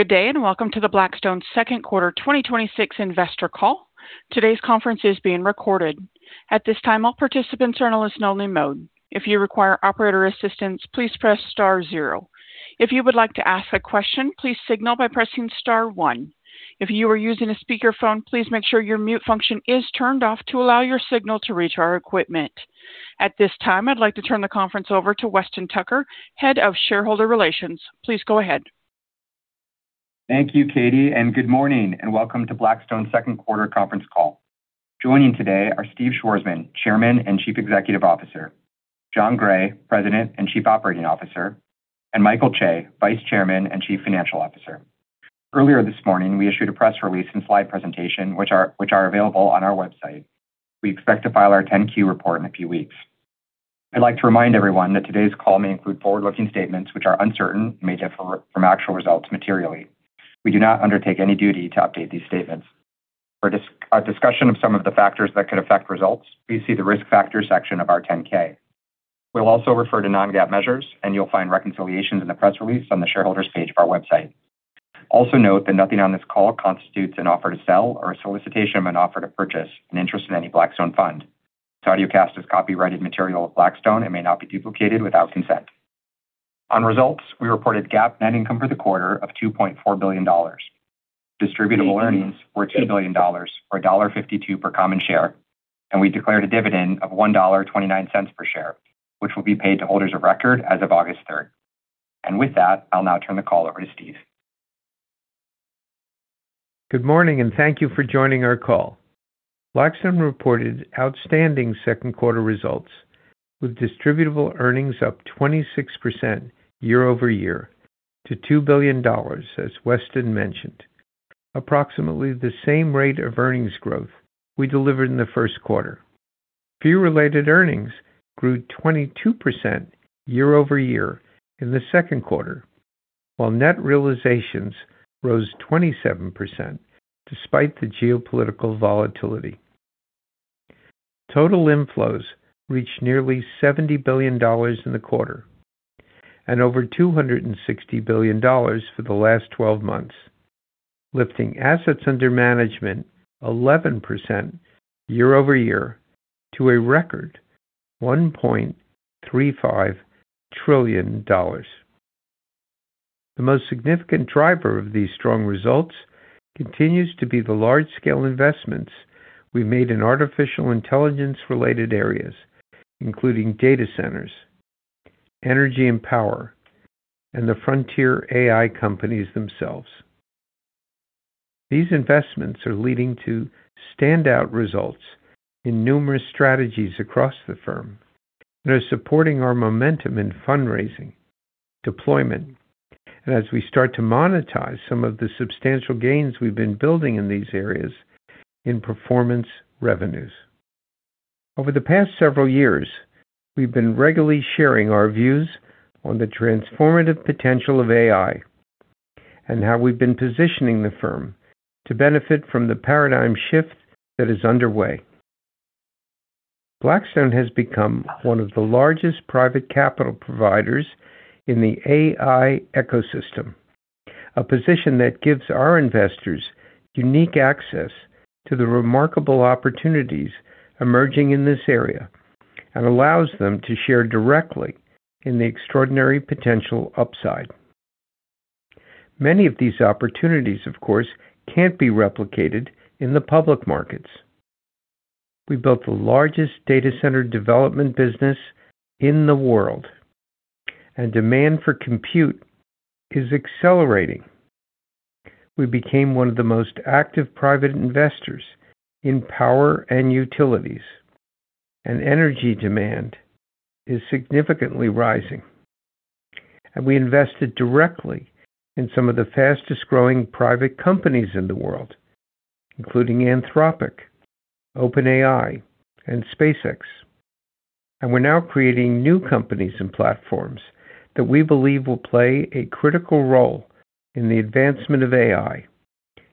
Good day, welcome to the Blackstone Second Quarter 2026 Investor Call. Today's conference is being recorded. At this time, all participants are in a listen-only mode. If you require operator assistance, please press star zero. If you would like to ask a question, please signal by pressing star one. If you are using a speakerphone, please make sure your mute function is turned off to allow your signal to reach our equipment. At this time, I'd like to turn the conference over to Weston Tucker, Head of Shareholder Relations. Please go ahead. Thank you, Katie, good morning, welcome to Blackstone's Second Quarter Conference Call. Joining today are Steve Schwarzman, Chairman and Chief Executive Officer, Jon Gray, President and Chief Operating Officer, and Michael Chae, Vice Chairman and Chief Financial Officer. Earlier this morning, we issued a press release and slide presentation which are available on our website. We expect to file our 10-Q report in a few weeks. I'd like to remind everyone that today's call may include forward-looking statements, which are uncertain and may differ from actual results materially. We do not undertake any duty to update these statements. For a discussion of some of the factors that could affect results, please see the Risk Factors section of our 10-K. We'll also refer to non-GAAP measures, you'll find reconciliations in the press release on the Shareholders page of our website. Also note that nothing on this call constitutes an offer to sell or a solicitation of an offer to purchase an interest in any Blackstone fund. This audiocast is copyrighted material of Blackstone and may not be duplicated without consent. On results, we reported GAAP net income for the quarter of $2.4 billion. Distributable earnings were $2 billion, or $1.52 per common share, we declared a dividend of $1.29 per share, which will be paid to holders of record as of August 3rd. With that, I'll now turn the call over to Steve. Good morning, thank you for joining our call. Blackstone reported outstanding second quarter results with distributable earnings up 26% year-over-year to $2 billion, as Weston mentioned. Approximately the same rate of earnings growth we delivered in the first quarter. Fee-Related Earnings grew 22% year-over-year in the second quarter, while net realizations rose 27%, despite the geopolitical volatility. Total inflows reached nearly $70 billion in the quarter, over $260 billion for the last 12 months, lifting assets under management 11% year-over-year to a record $1.35 trillion. The most significant driver of these strong results continues to be the large-scale investments we made in artificial intelligence-related areas, including data centers, energy and power, and the frontier AI companies themselves. These investments are leading to standout results in numerous strategies across the firm and are supporting our momentum in fundraising, deployment, and as we start to monetize some of the substantial gains we've been building in these areas in performance revenues. Over the past several years, we've been regularly sharing our views on the transformative potential of AI and how we've been positioning the firm to benefit from the paradigm shift that is underway. Blackstone has become one of the largest private capital providers in the AI ecosystem, a position that gives our investors unique access to the remarkable opportunities emerging in this area and allows them to share directly in the extraordinary potential upside. Many of these opportunities, of course, can't be replicated in the public markets. We built the largest data center development business in the world, demand for compute is accelerating. We became one of the most active private investors in power and utilities, energy demand is significantly rising. We invested directly in some of the fastest-growing private companies in the world, including Anthropic, OpenAI, and SpaceX. We're now creating new companies and platforms that we believe will play a critical role in the advancement of AI,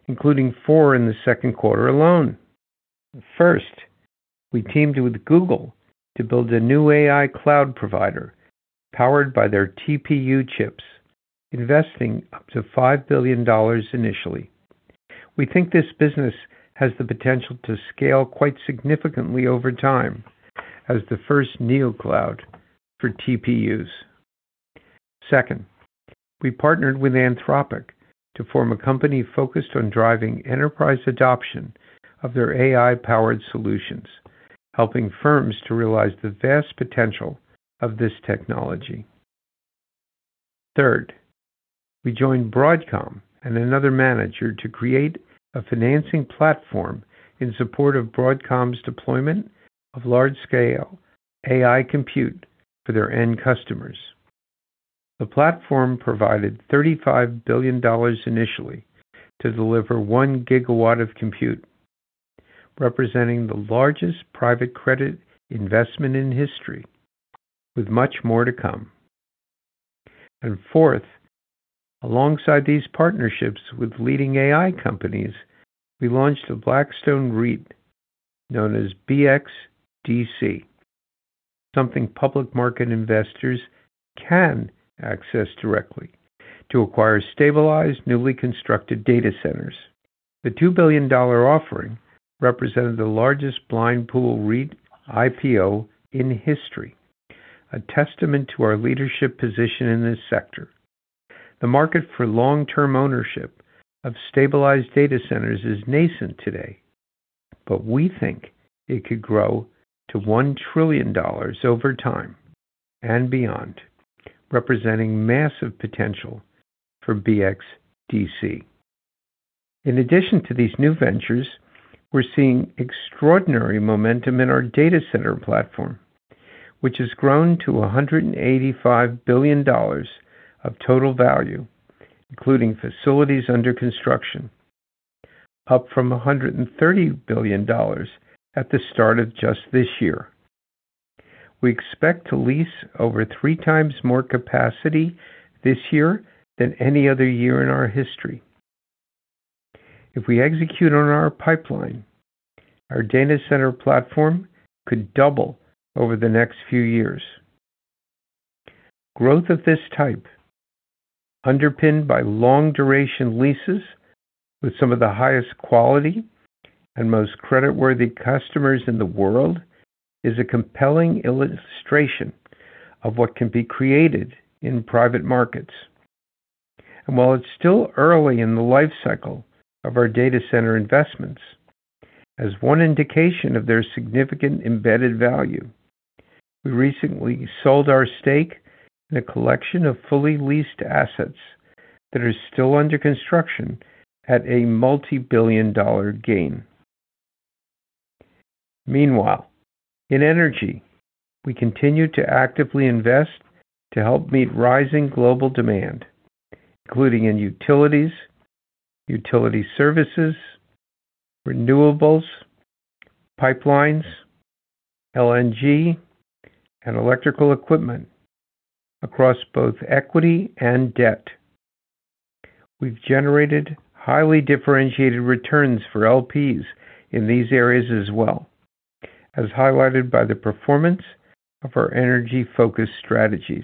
including four in the second quarter alone. First, we teamed with Google to build a new AI cloud provider powered by their TPU chips, investing up to $5 billion initially. We think this business has the potential to scale quite significantly over time as the first neocloud for TPUs. Second, we partnered with Anthropic to form a company focused on driving enterprise adoption of their AI-powered solutions, helping firms to realize the vast potential of this technology. Third, we joined Broadcom and another manager to create a financing platform in support of Broadcom's deployment of large-scale AI compute for their end customers. The platform provided $35 billion initially to deliver 1 GW compute, representing the largest private credit investment in history, with much more to come. Fourth, alongside these partnerships with leading AI companies, we launched a Blackstone REIT known as BXDC, something public market investors can access directly to acquire stabilized, newly constructed data centers. The $2 billion offering represented the largest blind pool REIT IPO in history, a testament to our leadership position in this sector. The market for long-term ownership of stabilized data centers is nascent today, but we think it could grow to $1 trillion over time and beyond, representing massive potential for BXDC. In addition to these new ventures, we're seeing extraordinary momentum in our data center platform, which has grown to $185 billion of total value, including facilities under construction, up from $130 billion at the start of just this year. We expect to lease over 3x more capacity this year than any other year in our history. If we execute on our pipeline, our data center platform could double over the next few years. Growth of this type, underpinned by long-duration leases with some of the highest quality and most creditworthy customers in the world, is a compelling illustration of what can be created in private markets. While it's still early in the life cycle of our data center investments, as one indication of their significant embedded value, we recently sold our stake in a collection of fully leased assets that are still under construction at a multibillion-dollar gain. Meanwhile, in energy, we continue to actively invest to help meet rising global demand, including in utilities, utility services, renewables, pipelines, LNG, and electrical equipment across both equity and debt. We've generated highly differentiated returns for LPs in these areas as well, as highlighted by the performance of our energy-focused strategies.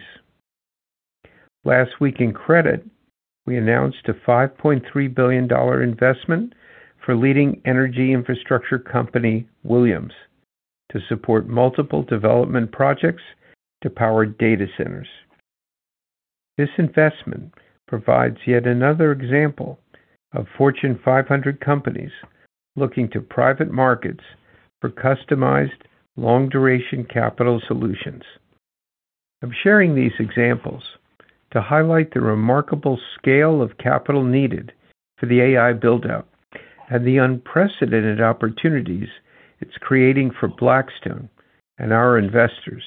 Last week in credit, we announced a $5.3 billion investment for leading energy infrastructure company, Williams, to support multiple development projects to power data centers. This investment provides yet another example of Fortune 500 companies looking to private markets for customized, long-duration capital solutions. I'm sharing these examples to highlight the remarkable scale of capital needed for the AI buildup and the unprecedented opportunities it's creating for Blackstone and our investors.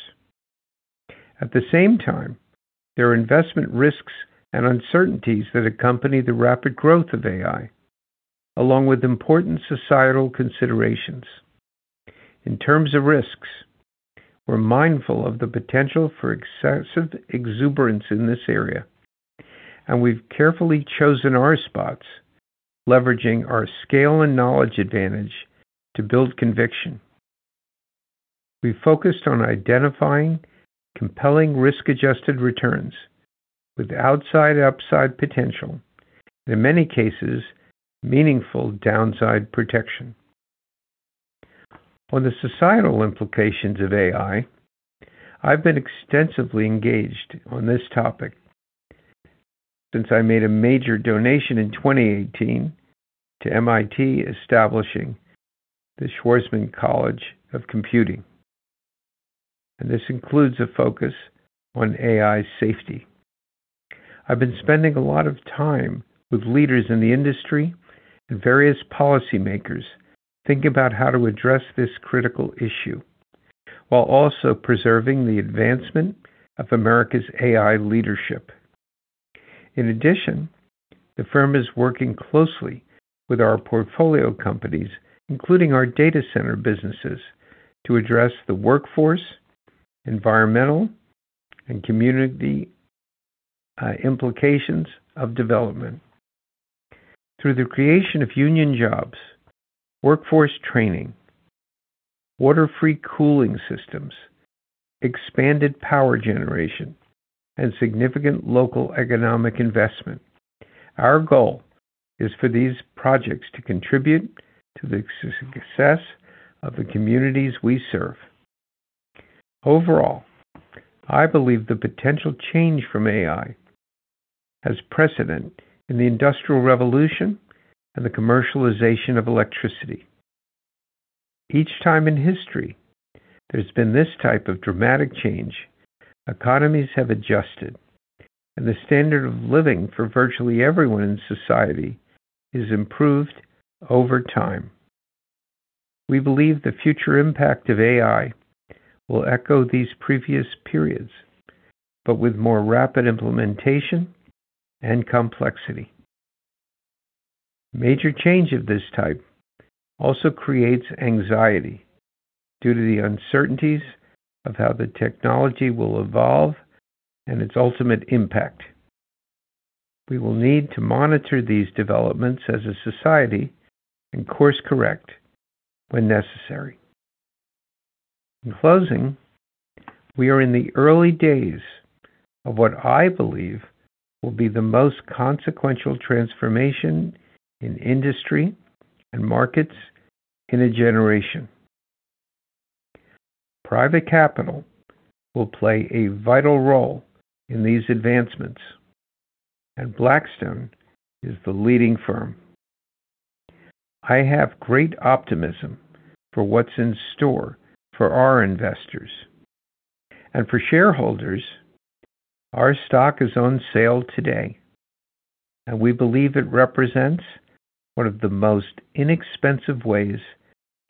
At the same time, there are investment risks and uncertainties that accompany the rapid growth of AI, along with important societal considerations. In terms of risks, we're mindful of the potential for excessive exuberance in this area, and we've carefully chosen our spots, leveraging our scale and knowledge advantage to build conviction. We focused on identifying compelling risk-adjusted returns with outsize upside potential, in many cases, meaningful downside protection. On the societal implications of AI, I've been extensively engaged on this topic since I made a major donation in 2018 to MIT, establishing the Schwarzman College of Computing, and this includes a focus on AI safety. I've been spending a lot of time with leaders in the industry and various policymakers thinking about how to address this critical issue while also preserving the advancement of America's AI leadership. In addition, the firm is working closely with our portfolio companies, including our data center businesses, to address the workforce, environmental, and community implications of development. Through the creation of union jobs, workforce training, water-free cooling systems, expanded power generation, and significant local economic investment, our goal is for these projects to contribute to the success of the communities we serve. Overall, I believe the potential change from AI has precedent in the Industrial Revolution and the commercialization of electricity. Each time in history there's been this type of dramatic change, economies have adjusted and the standard of living for virtually everyone in society is improved over time. We believe the future impact of AI will echo these previous periods, but with more rapid implementation and complexity. Major change of this type also creates anxiety due to the uncertainties of how the technology will evolve and its ultimate impact. We will need to monitor these developments as a society and course-correct when necessary. In closing, we are in the early days of what I believe will be the most consequential transformation in industry and markets in a generation. Private capital will play a vital role in these advancements, and Blackstone is the leading firm. I have great optimism for what's in store for our investors. For shareholders, our stock is on sale today, and we believe it represents one of the most inexpensive ways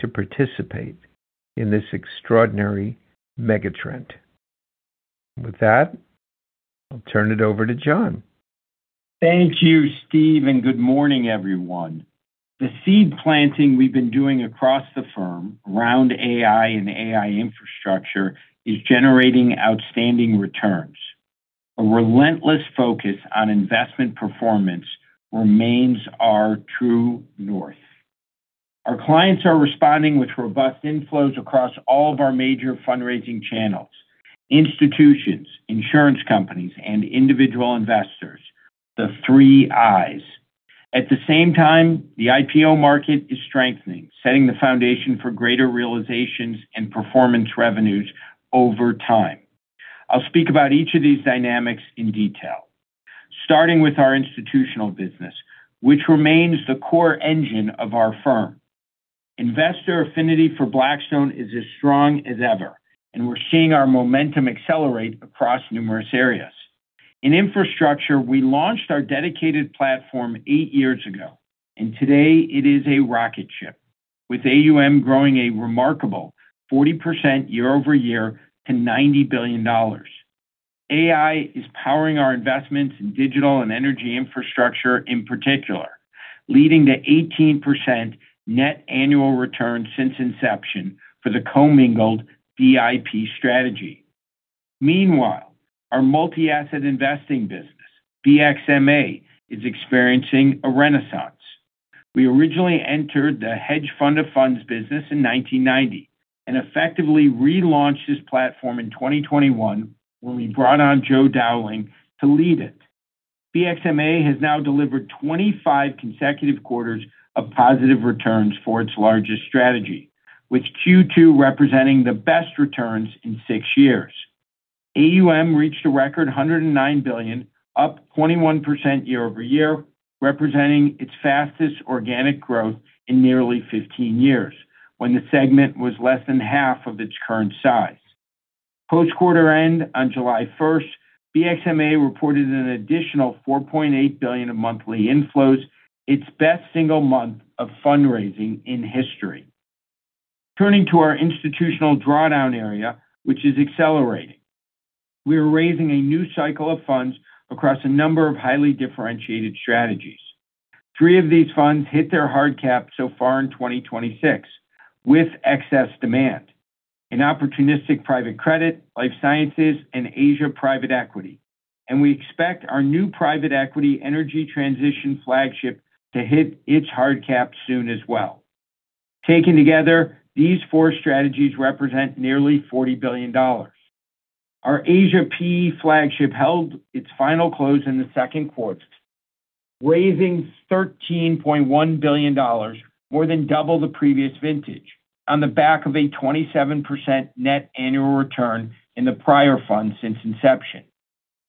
to participate in this extraordinary mega-trend. With that, I'll turn it over to Jon. Thank you, Steve, and good morning, everyone. The seed planting we have been doing across the firm around AI and AI infrastructure is generating outstanding returns. A relentless focus on investment performance remains our true north. Our clients are responding with robust inflows across all of our major fundraising channels, institutions, insurance companies, and individual investors, the three I's. At the same time, the IPO market is strengthening, setting the foundation for greater realizations and performance revenues over time. I will speak about each of these dynamics in detail. Starting with our institutional business, which remains the core engine of our firm. Investor affinity for Blackstone is as strong as ever, and we are seeing our momentum accelerate across numerous areas. In infrastructure, we launched our dedicated platform eight years ago, and today it is a rocket ship, with AUM growing a remarkable 40% year-over-year to $90 billion. AI is powering our investments in digital and energy infrastructure in particular, leading to 18% net annual return since inception for the commingled BIP strategy. Meanwhile, our Multi-Asset Investing business, BXMA, is experiencing a renaissance. We originally entered the hedge fund of funds business in 1990 and effectively relaunched this platform in 2021 when we brought on Joe Dowling to lead it. BXMA has now delivered 25 consecutive quarters of positive returns for its largest strategy, with Q2 representing the best returns in six years. AUM reached a record $109 billion, up 21% year-over-year, representing its fastest organic growth in nearly 15 years, when the segment was less than half of its current size. Post-quarter end on July 1st, BXMA reported an additional $4.8 billion of monthly inflows, its best single month of fundraising in history. Turning to our institutional drawdown area, which is accelerating. We are raising a new cycle of funds across a number of highly differentiated strategies. Three of these funds hit their hard cap so far in 2026, with excess demand in opportunistic private credit, life sciences, and Asia private equity, and we expect our new private equity energy transition flagship to hit its hard cap soon as well. Taken together, these four strategies represent nearly $40 billion. Our Asia PE flagship held its final close in the second quarter, raising $13.1 billion, more than double the previous vintage, on the back of a 27% net annual return in the prior fund since inception.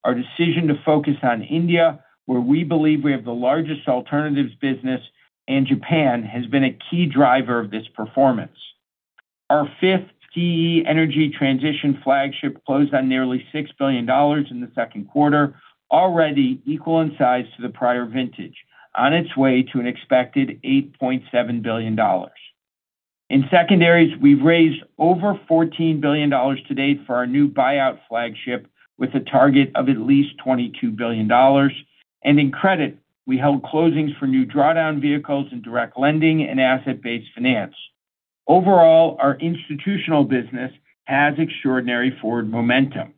Our decision to focus on India, where we believe we have the largest alternatives business, and Japan, has been a key driver of this performance. Our fifth key energy transition flagship closed on nearly $6 billion in the second quarter, already equal in size to the prior vintage, on its way to an expected $8.7 billion. In secondaries, we have raised over $14 billion to date for our new buyout flagship with a target of at least $22 billion. In credit, we held closings for new drawdown vehicles in direct lending and asset-based finance. Overall, our institutional business has extraordinary forward momentum.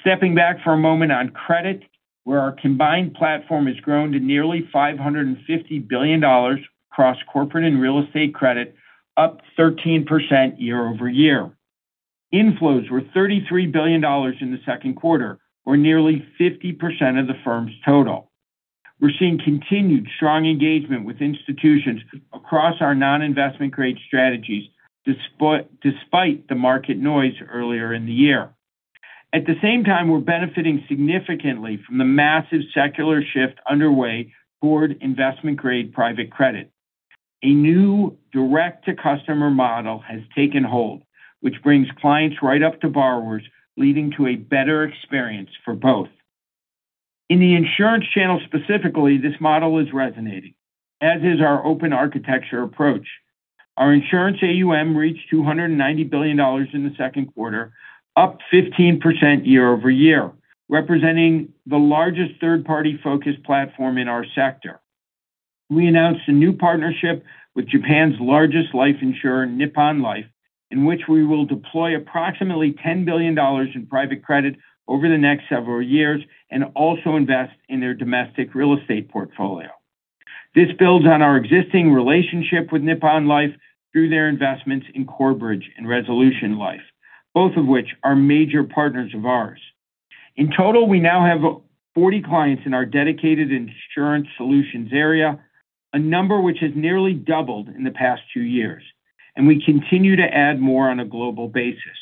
Stepping back for a moment on credit, where our combined platform has grown to nearly $550 billion across corporate and real estate credit, up 13% year-over-year. Inflows were $33 billion in the second quarter, or nearly 50% of the firm's total. We are seeing continued strong engagement with institutions across our non-investment grade strategies despite the market noise earlier in the year. At the same time, we are benefiting significantly from the massive secular shift underway toward investment-grade private credit. A new direct-to-customer model has taken hold, which brings clients right up to borrowers, leading to a better experience for both. In the insurance channel specifically, this model is resonating, as is our open architecture approach. Our insurance AUM reached $290 billion in the second quarter, up 15% year-over-year, representing the largest third-party-focused platform in our sector. We announced a new partnership with Japan's largest life insurer, Nippon Life, in which we will deploy approximately $10 billion in private credit over the next several years and also invest in their domestic real estate portfolio. This builds on our existing relationship with Nippon Life through their investments in Corebridge Financial and Resolution Life, both of which are major partners of ours. In total, we now have 40 clients in our dedicated insurance solutions area, a number which has nearly doubled in the past two years, and we continue to add more on a global basis.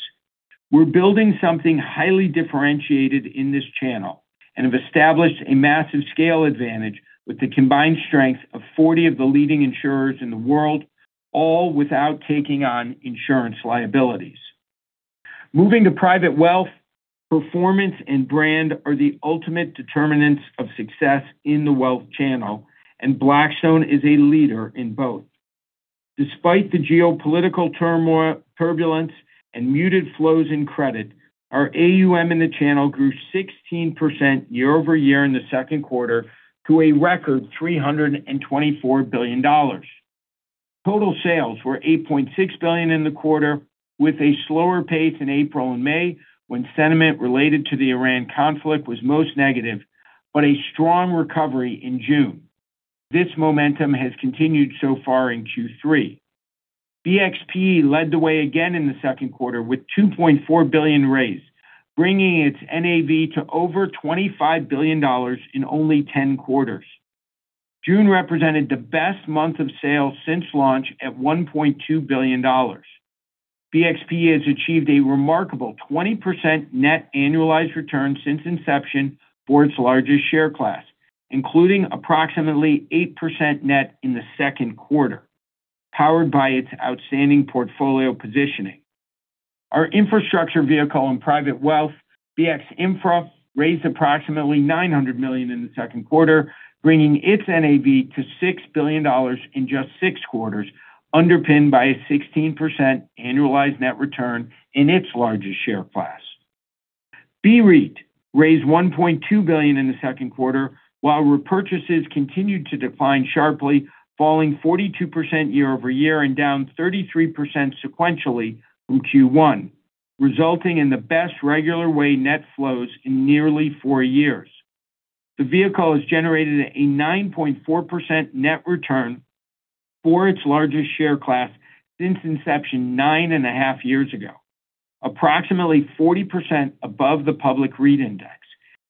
We are building something highly differentiated in this channel and have established a massive scale advantage with the combined strength of 40 of the leading insurers in the world, all without taking on insurance liabilities. Moving to private wealth, performance and brand are the ultimate determinants of success in the wealth channel, and Blackstone is a leader in both. Despite the geopolitical turmoil, turbulence, and muted flows in credit, our AUM in the channel grew 16% year-over-year in the second quarter to a record $324 billion. Total sales were $8.6 billion in the quarter, with a slower pace in April and May, when sentiment related to the Iran conflict was most negative, but a strong recovery in June. This momentum has continued so far in Q3. BXPE led the way again in the second quarter with $2.4 billion raised, bringing its NAV to over $25 billion in only 10 quarters. June represented the best month of sales since launch at $1.2 billion. BXPE has achieved a remarkable 20% net annualized return since inception for its largest share class, including approximately 8% net in the second quarter, powered by its outstanding portfolio positioning. Our infrastructure vehicle and private wealth, BXINFRA, raised approximately $900 million in the second quarter, bringing its NAV to $6 billion in just six quarters, underpinned by a 16% annualized net return in its largest share class. BREIT raised $1.2 billion in the second quarter, while repurchases continued to decline sharply, falling 42% year-over-year and down 33% sequentially from Q1, resulting in the best regular way net flows in nearly four years. The vehicle has generated a 9.4% net return for its largest share class since inception nine and a half years ago, approximately 40% above the public REIT index,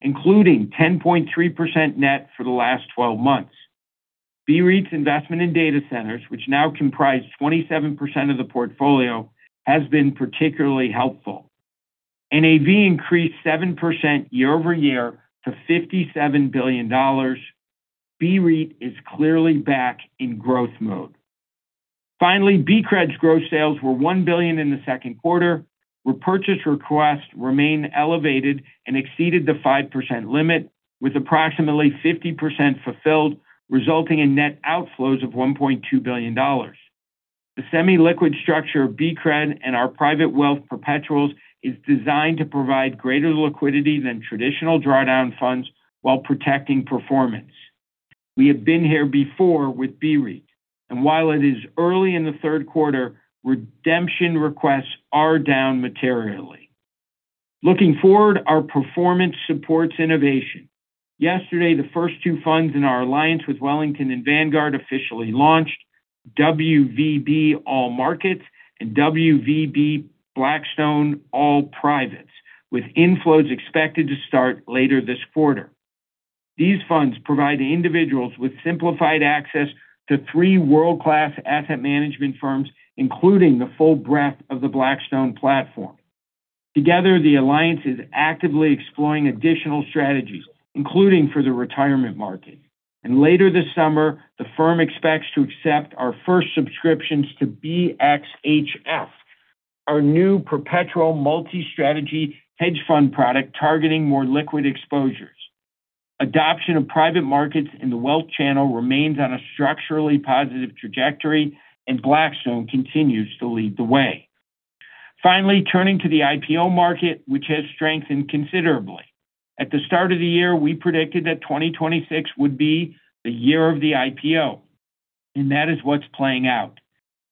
including 10.3% net for the last 12 months. BREIT's investment in data centers, which now comprise 27% of the portfolio, has been particularly helpful. NAV increased 7% year-over-year to $57 billion. BREIT is clearly back in growth mode. Finally, BCRED's gross sales were $1 billion in the second quarter. Repurchase requests remain elevated and exceeded the 5% limit, with approximately 50% fulfilled, resulting in net outflows of $1.2 billion. The semi-liquid structure of BCRED and our private wealth perpetuals is designed to provide greater liquidity than traditional drawdown funds while protecting performance. We have been here before with BREIT, and while it is early in the third quarter, redemption requests are down materially. Looking forward, our performance supports innovation. Yesterday, the first two funds in our alliance with Wellington and Vanguard officially launched WVB All Markets and WVB Blackstone All Privates, with inflows expected to start later this quarter. These funds provide individuals with simplified access to three world-class asset management firms, including the full breadth of the Blackstone platform. Together, the alliance is actively exploring additional strategies, including for the retirement market. Later this summer, the firm expects to accept our first subscriptions to BXHF, our new perpetual multi-strategy hedge fund product targeting more liquid exposures. Adoption of private markets in the wealth channel remains on a structurally positive trajectory, and Blackstone continues to lead the way. Finally, turning to the IPO market, which has strengthened considerably. At the start of the year, we predicted that 2026 would be the year of the IPO, and that is what's playing out.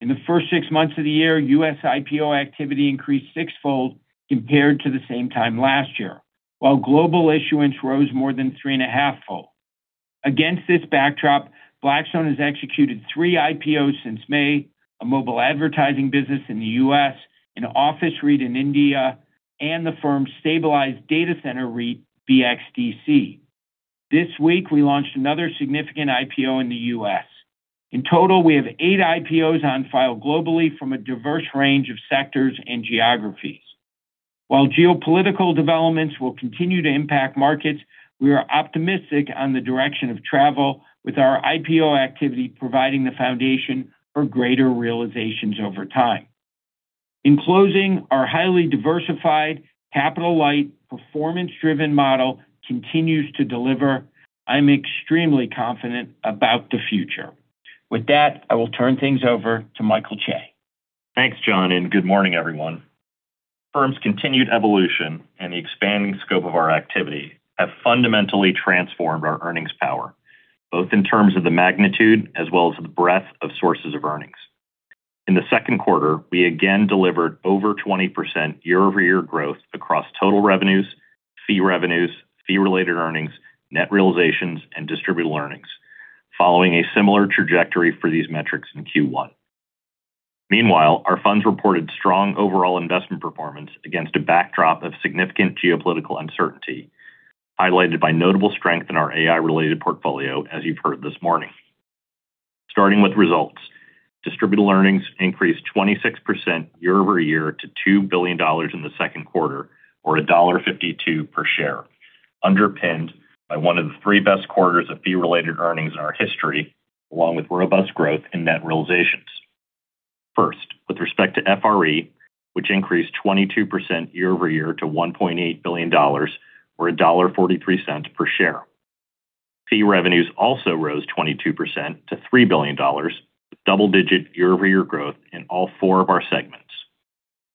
In the first six months of the year, U.S. IPO activity increased sixfold compared to the same time last year, while global issuance rose more than three and a half fold. Against this backdrop, Blackstone has executed three IPOs since May, a mobile advertising business in the U.S., an office REIT in India, and the firm's stabilized data center REIT, BXDC. This week, we launched another significant IPO in the U.S. In total, we have eight IPOs on file globally from a diverse range of sectors and geographies. While geopolitical developments will continue to impact markets, we are optimistic on the direction of travel with our IPO activity providing the foundation for greater realizations over time. In closing, our highly diversified, capital-light, performance-driven model continues to deliver. I'm extremely confident about the future. With that, I will turn things over to Michael Chae. Thanks, Jon, and good morning, everyone. The firm's continued evolution and the expanding scope of our activity have fundamentally transformed our earnings power, both in terms of the magnitude as well as the breadth of sources of earnings. In the second quarter, we again delivered over 20% year-over-year growth across total revenues, fee revenues, fee-related earnings, net realizations, and distributed earnings, following a similar trajectory for these metrics in Q1. Meanwhile, our funds reported strong overall investment performance against a backdrop of significant geopolitical uncertainty, highlighted by notable strength in our AI-related portfolio, as you've heard this morning. Starting with results, distributed earnings increased 26% year-over-year to $2 billion in the second quarter, or $1.52 per share, underpinned by one of the three best quarters of fee-related earnings in our history, along with robust growth in net realizations. First, with respect to FRE, which increased 22% year-over-year to $1.8 billion, or $1.43 per share. Fee revenues also rose 22% to $3 billion, with double-digit year-over-year growth in all four of our segments.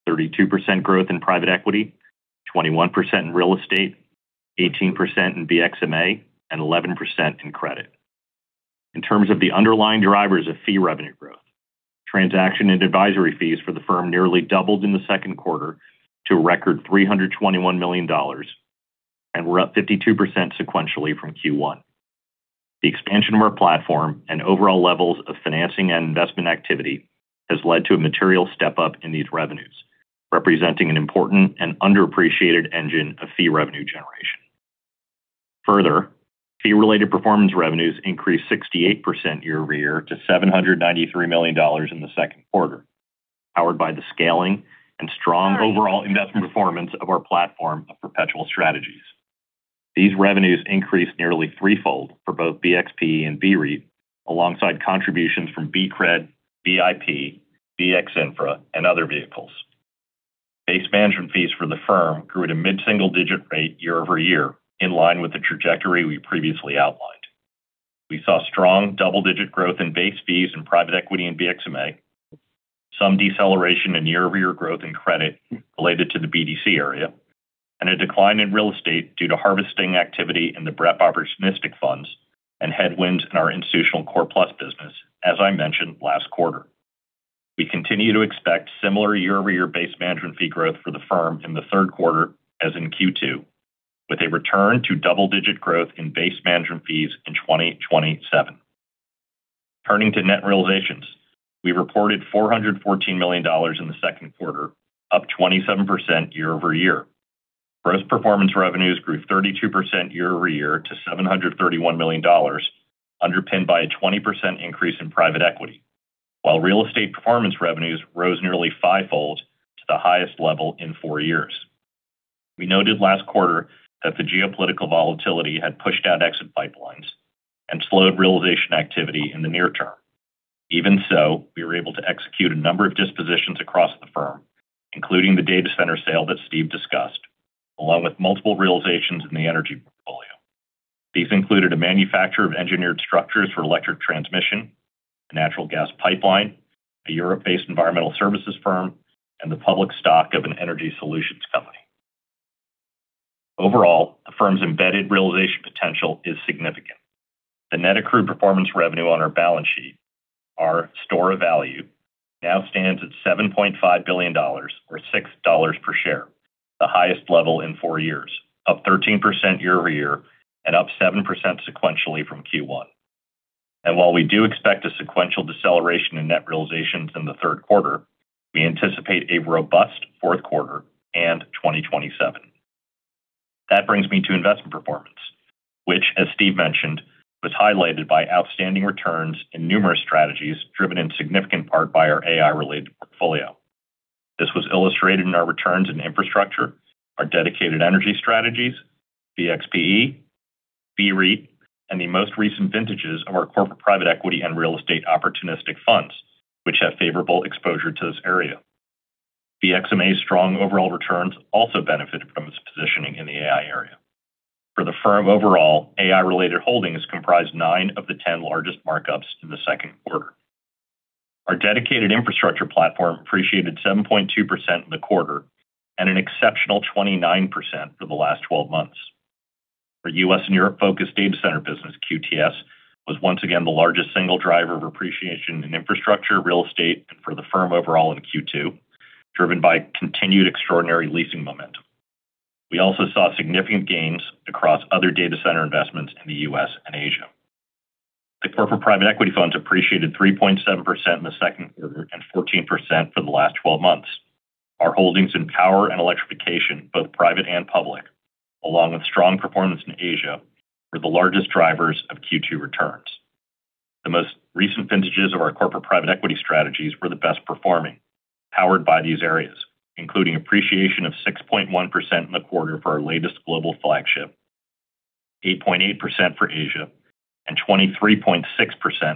32% growth in private equity, 21% in real estate, 18% in BXMA, and 11% in credit. In terms of the underlying drivers of fee revenue growth, transaction and advisory fees for the firm nearly doubled in the second quarter to a record $321 million, and were up 52% sequentially from Q1. The expansion of our platform and overall levels of financing and investment activity has led to a material step-up in these revenues, representing an important and underappreciated engine of fee revenue generation. Further, fee-related performance revenues increased 68% year-over-year to $793 million in the second quarter, powered by the scaling and strong overall investment performance of our platform of perpetual strategies. These revenues increased nearly threefold for both BXPE and BREIT, alongside contributions from BCRED, BIP, BXINFRA, and other vehicles. Base management fees for the firm grew at a mid-single digit rate year-over-year, in line with the trajectory we previously outlined. We saw strong double-digit growth in base fees in private equity and BXMA, some deceleration in year-over-year growth in credit related to the BDC area, and a decline in real estate due to harvesting activity in the BREIT Opportunistic Funds and headwinds in our institutional core-plus business, as I mentioned last quarter. We continue to expect similar year-over-year base management fee growth for the firm in the third quarter as in Q2, with a return to double-digit growth in base management fees in 2027. Turning to net realizations, we reported $414 million in the second quarter, up 27% year-over-year. Gross performance revenues grew 32% year-over-year to $731 million, underpinned by a 20% increase in private equity, while real estate performance revenues rose nearly fivefold to the highest level in four years. We noted last quarter that the geopolitical volatility had pushed out exit pipelines and slowed realization activity in the near term. Even so, we were able to execute a number of dispositions across the firm, including the data center sale that Steve discussed, along with multiple realizations in the energy portfolio. These included a manufacturer of engineered structures for electric transmission, a natural gas pipeline, a Europe-based environmental services firm, and the public stock of an energy solutions company. Overall, the firm's embedded realization potential is significant. The net accrued performance revenue on our balance sheet, our store of value, now stands at $7.5 billion, or $6 per share, the highest level in four years, up 13% year-over-year and up 7% sequentially from Q1. While we do expect a sequential deceleration in net realizations in the third quarter, we anticipate a robust fourth quarter and 2027. That brings me to investment performance, which, as Steve mentioned, was highlighted by outstanding returns in numerous strategies, driven in significant part by our AI-related portfolio. This was illustrated in our returns in infrastructure, our dedicated energy strategies, BXPE, BREIT, and the most recent vintages of our corporate private equity and real estate opportunistic funds, which have favorable exposure to this area. BXMA's strong overall returns also benefited from its positioning in the AI area. For the firm overall, AI-related holdings comprised nine of the 10 largest markups in the second quarter. Our dedicated infrastructure platform appreciated 7.2% in the quarter and an exceptional 29% for the last 12 months. For U.S. and Europe-focused data center business, QTS was once again the largest single driver of appreciation in infrastructure, real estate, and for the firm overall in Q2, driven by continued extraordinary leasing momentum. We also saw significant gains across other data center investments in the U.S. and Asia. The corporate private equity funds appreciated 3.7% in the second quarter and 14% for the last 12 months. Our holdings in power and electrification, both private and public, along with strong performance in Asia, were the largest drivers of Q2 returns. The most recent vintages of our corporate private equity strategies were the best performing, powered by these areas, including appreciation of 6.1% in the quarter for our latest global flagship, 8.8% for Asia, and 23.6%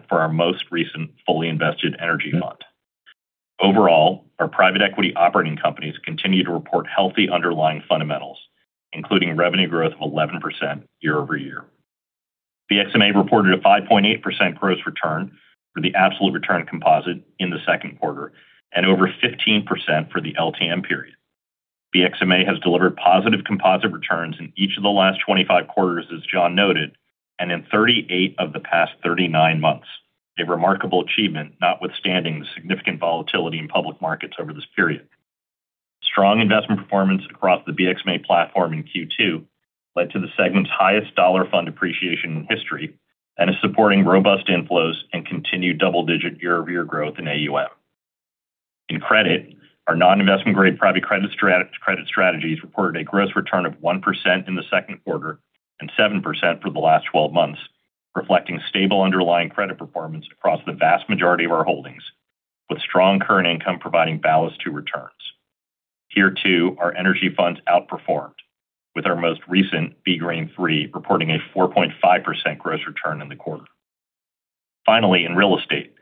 for our most recent fully invested energy fund. Overall, our private equity operating companies continue to report healthy underlying fundamentals, including revenue growth of 11% year-over-year. BXMA reported a 5.8% gross return for the absolute return composite in the second quarter and over 15% for the LTM period. BXMA has delivered positive composite returns in each of the last 25 quarters, as Jon noted, and in 38 of the past 39 months, a remarkable achievement notwithstanding the significant volatility in public markets over this period. Strong investment performance across the BXMA platform in Q2 led to the segment's highest dollar fund appreciation in history and is supporting robust inflows and continued double-digit year-over-year growth in AUM. In credit, our non-investment grade private credit strategies reported a gross return of 1% in the second quarter and 7% for the last 12 months, reflecting stable underlying credit performance across the vast majority of our holdings, with strong current income providing ballast to returns. Here too, our energy funds outperformed, with our most recent BGREEN III reporting a 4.5% gross return in the quarter. Finally, in real estate,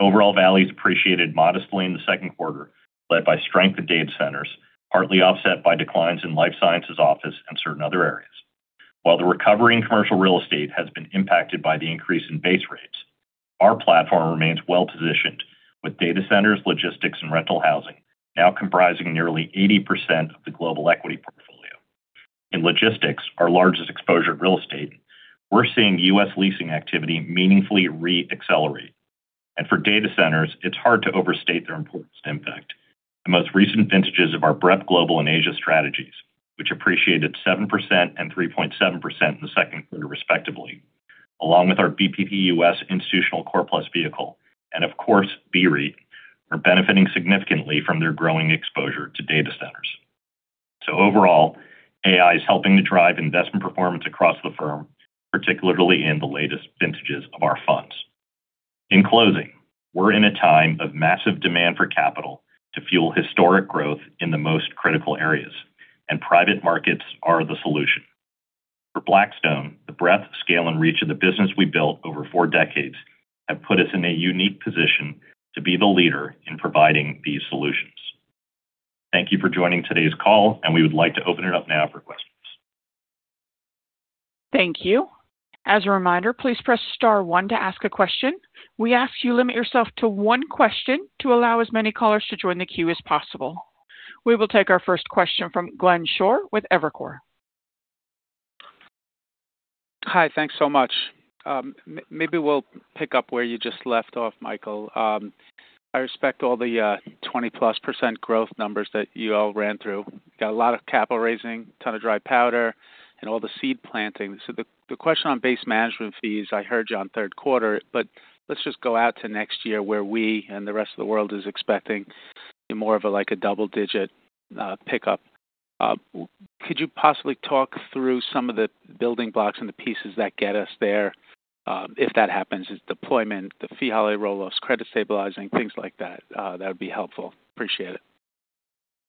overall values appreciated modestly in the second quarter, led by strength in data centers, partly offset by declines in life sciences office and certain other areas. While the recovery in commercial real estate has been impacted by the increase in base rates, our platform remains well-positioned with data centers, logistics, and rental housing now comprising nearly 80% of the global equity portfolio. In logistics, our largest exposure to real estate, we're seeing U.S. leasing activity meaningfully re-accelerate. For data centers, it's hard to overstate their importance to impact. The most recent vintages of our BREIT global and Asia strategies, which appreciated 7% and 3.7% in the second quarter, respectively, along with our BXPE U.S. institutional core plus vehicle, and of course, BREIT, are benefiting significantly from their growing exposure to data centers. Overall, AI is helping to drive investment performance across the firm, particularly in the latest vintages of our funds. In closing, we're in a time of massive demand for capital to fuel historic growth in the most critical areas. Private markets are the solution. For Blackstone, the breadth, scale, and reach of the business we built over four decades have put us in a unique position to be the leader in providing these solutions. Thank you for joining today's call. We would like to open it up now for questions. Thank you. As a reminder, please press star one to ask a question. We ask you limit yourself to one question to allow as many callers to join the queue as possible. We will take our first question from Glenn Schorr with Evercore. Hi. Thanks so much. Maybe we'll pick up where you just left off, Michael. I respect all the 20%+ growth numbers that you all ran through. Got a lot of capital raising, ton of dry powder. All the seed planting. The question on base management fees, I heard you on third quarter. Let's just go out to next year where we and the rest of the world is expecting more of a double-digit pickup. Could you possibly talk through some of the building blocks and the pieces that get us there if that happens? Is deployment, the fee holiday roll-offs, credit stabilizing, things like that. That would be helpful. Appreciate it.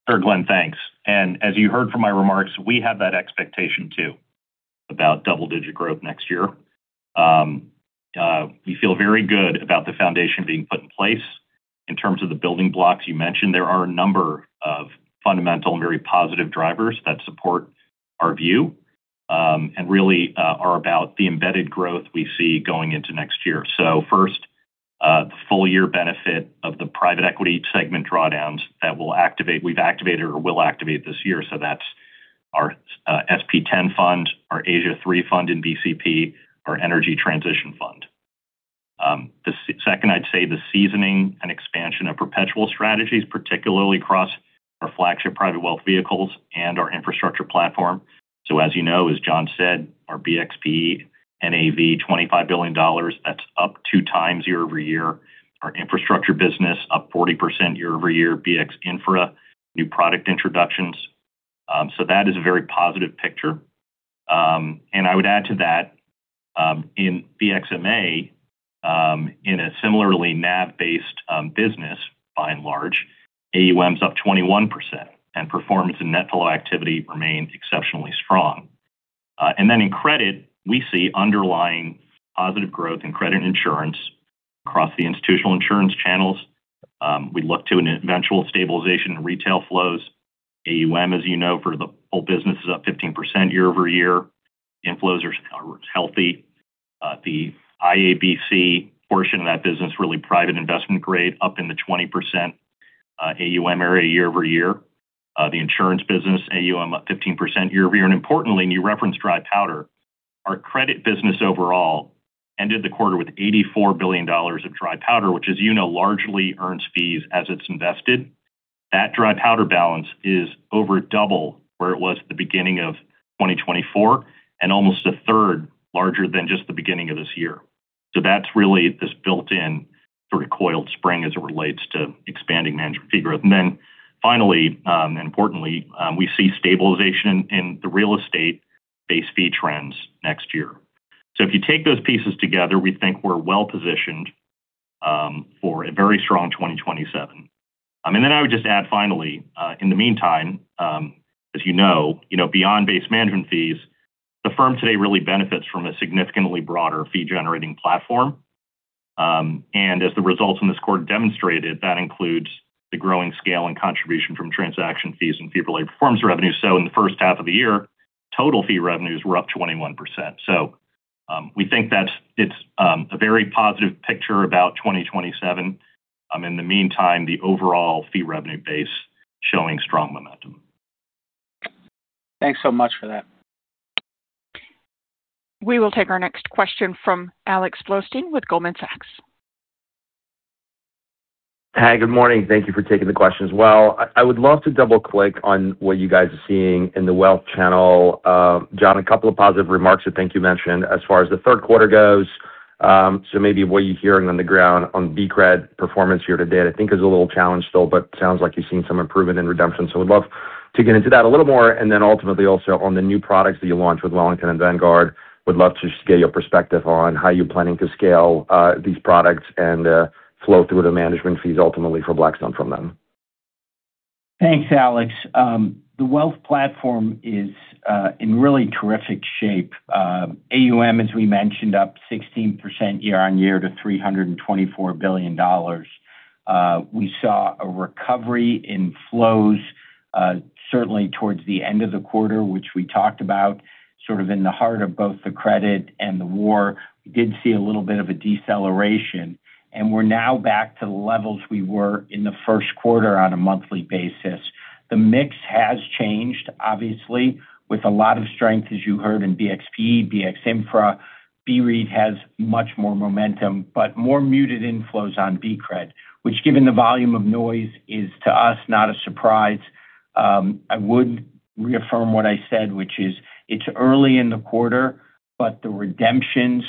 Sure, Glenn, thanks. As you heard from my remarks, we have that expectation too about double-digit growth next year. We feel very good about the foundation being put in place. In terms of the building blocks you mentioned, there are a number of fundamental and very positive drivers that support our view. Really are about the embedded growth we see going into next year. First, the full year benefit of the private equity segment drawdowns that we've activated or will activate this year. That's our SP 10 fund, our Asia III fund in BCP, our energy transition fund. The second, I'd say the seasoning and expansion of perpetual strategies, particularly across our flagship private wealth vehicles and our infrastructure platform. As you know, as Jon said, our BXPE NAV $25 billion, that's up 2x year-over-year. Our infrastructure business up 40% year-over-year, BXINFRA, new product introductions. That is a very positive picture. I would add to that, in BXMA, in a similarly NAV-based business, by and large, AUM's up 21%, performance and net flow activity remain exceptionally strong. In credit, we see underlying positive growth in credit insurance across the institutional insurance channels. We look to an eventual stabilization in retail flows. AUM, as you know, for the whole business, is up 15% year-over-year. Inflows are healthy. The IABC portion of that business, really private investment grade, up in the 20% AUM area year-over-year. The insurance business, AUM up 15% year-over-year. Importantly, and you referenced dry powder, our credit business overall ended the quarter with $84 billion of dry powder, which as you know, largely earns fees as it's invested. That dry powder balance is over double where it was at the beginning of 2024 and almost a third larger than just the beginning of this year. That's really this built-in sort of coiled spring as it relates to expanding management fee growth. Finally, and importantly, we see stabilization in the real estate base fee trends next year. If you take those pieces together, we think we're well-positioned for a very strong 2027. I would just add finally, in the meantime, as you know, beyond base management fees, the firm today really benefits from a significantly broader fee-generating platform. As the results in this quarter demonstrated, that includes the growing scale and contribution from transaction fees and fee-related performance revenue. In the first half of the year, total fee revenues were up 21%. We think that it's a very positive picture about 2027. In the meantime, the overall fee revenue base showing strong momentum. Thanks so much for that We will take our next question from Alex Blostein with Goldman Sachs. Hi, good morning. Thank you for taking the question as well. I would love to double-click on what you guys are seeing in the wealth channel. Jon, a couple of positive remarks that I think you mentioned as far as the third quarter goes. Maybe what you're hearing on the ground on BCRED performance year to date, I think is a little challenged still, but sounds like you're seeing some improvement in redemption. Would love to get into that a little more, and then ultimately also on the new products that you launched with Wellington and Vanguard, would love to just get your perspective on how you're planning to scale these products and flow through the management fees ultimately for Blackstone from them. Thanks, Alex. The wealth platform is in really terrific shape. AUM, as we mentioned, up 16% year-over-year to $324 billion. We saw a recovery in flows, certainly towards the end of the quarter, which we talked about, sort of in the heart of both the credit and the war. We did see a little bit of a deceleration, and we're now back to the levels we were in the first quarter on a monthly basis. The mix has changed, obviously, with a lot of strength, as you heard, in BXPE, BXINFRA. BREIT has much more momentum, but more muted inflows on BCRED, which given the volume of noise is, to us, not a surprise. I would reaffirm what I said, which is it's early in the quarter, but the redemptions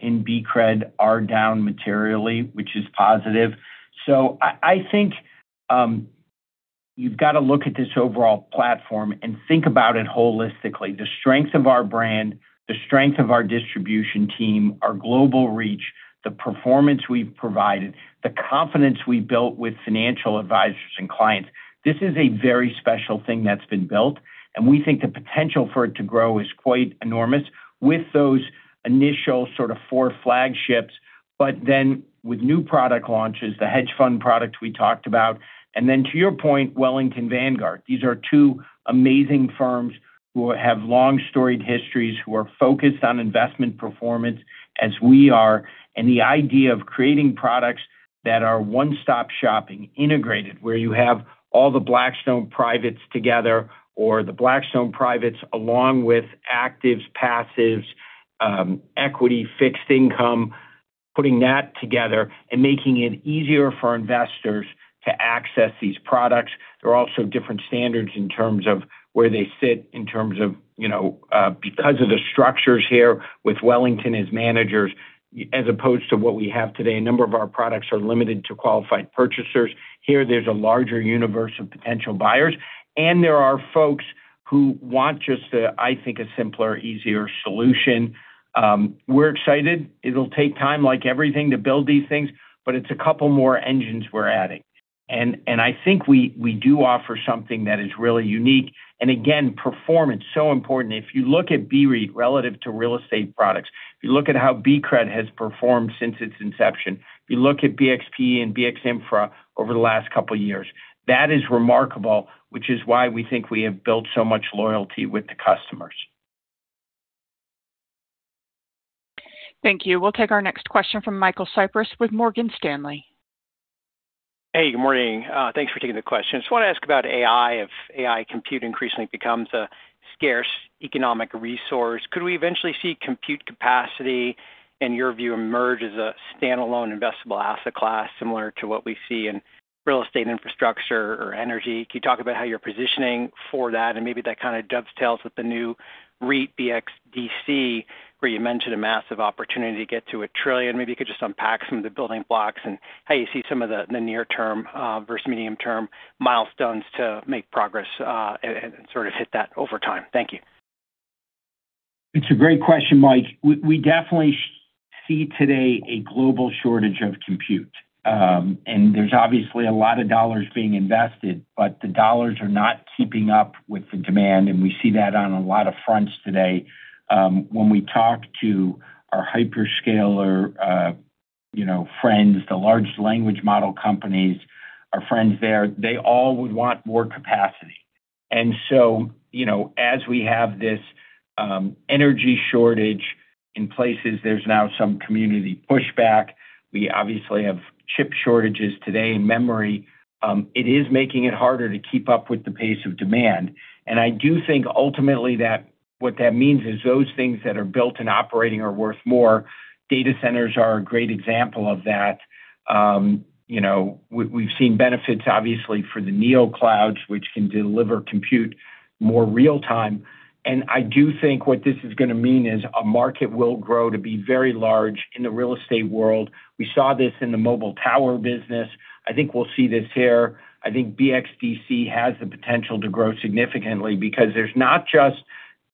in BCRED are down materially, which is positive. I think you've got to look at this overall platform and think about it holistically. The strength of our brand, the strength of our distribution team, our global reach, the performance we've provided, the confidence we built with financial advisors and clients. This is a very special thing that's been built, and we think the potential for it to grow is quite enormous with those initial sort of four flagships. With new product launches, the hedge fund product we talked about, and then to your point, Wellington Vanguard. These are two amazing firms who have long storied histories, who are focused on investment performance as we are. The idea of creating products that are one-stop shopping, integrated, where you have all the Blackstone privates together, or the Blackstone privates along with actives, passives, equity, fixed income, putting that together and making it easier for investors to access these products. There are also different standards in terms of where they sit in terms of because of the structures here with Wellington as managers, as opposed to what we have today. A number of our products are limited to qualified purchasers. Here there's a larger universe of potential buyers, and there are folks who want just a, I think, a simpler, easier solution. We're excited. It'll take time, like everything, to build these things, but it's a couple more engines we're adding. I think we do offer something that is really unique. Again, performance, so important. If you look at BREIT relative to real estate products, if you look at how BCRED has performed since its inception, if you look at BXPE and BXINFRA over the last couple of years, that is remarkable, which is why we think we have built so much loyalty with the customers. Thank you. We'll take our next question from Michael Cyprys with Morgan Stanley. Hey, good morning. Thanks for taking the question. Just want to ask about AI. If AI compute increasingly becomes a scarce economic resource, could we eventually see compute capacity, in your view, emerge as a standalone investable asset class, similar to what we see in real estate infrastructure or energy? Can you talk about how you're positioning for that? Maybe that kind of dovetails with the new REIT BXDC, where you mentioned a massive opportunity to get to $1 trillion. Maybe you could just unpack some of the building blocks and how you see some of the near-term versus medium-term milestones to make progress, and sort of hit that over time. Thank you. It's a great question, Mike. We definitely see today a global shortage of compute. There's obviously a lot of dollars being invested, but the dollars are not keeping up with the demand, and we see that on a lot of fronts today. When we talk to our hyperscaler friends, the large language model companies, our friends there, they all would want more capacity. So, as we have this energy shortage in places, there's now some community pushback. We obviously have chip shortages today, memory. It is making it harder to keep up with the pace of demand. I do think ultimately that what that means is those things that are built and operating are worth more. Data centers are a great example of that. We've seen benefits, obviously, for the neoclouds, which can deliver compute more real time. I do think what this is going to mean is a market will grow to be very large in the real estate world. We saw this in the mobile tower business. I think we'll see this here. I think BXDC has the potential to grow significantly because there's not just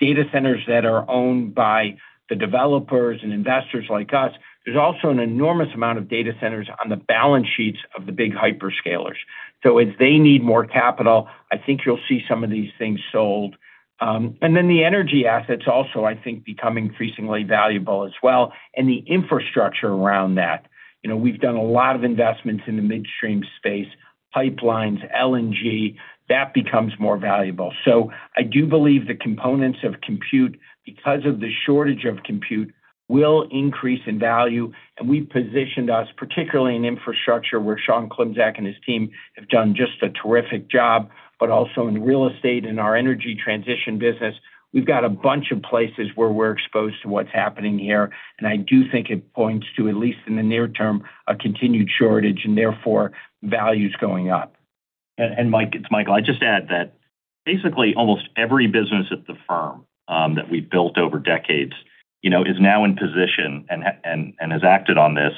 data centers that are owned by the developers and investors like us. There's also an enormous amount of data centers on the balance sheets of the big hyperscalers. If they need more capital, I think you'll see some of these things sold. Then the energy assets also, I think, become increasingly valuable as well, and the infrastructure around that. We've done a lot of investments in the midstream space. Pipelines, LNG, that becomes more valuable. I do believe the components of compute, because of the shortage of compute, will increase in value. We've positioned us, particularly in infrastructure, where Sean Klimczak and his team have done just a terrific job, but also in real estate and our energy transition business. We've got a bunch of places where we're exposed to what's happening here. I do think it points to, at least in the near term, a continued shortage, and therefore value is going up. Mike, it's Michael, I just add that basically almost every business at the firm that we've built over decades is now in position and has acted on this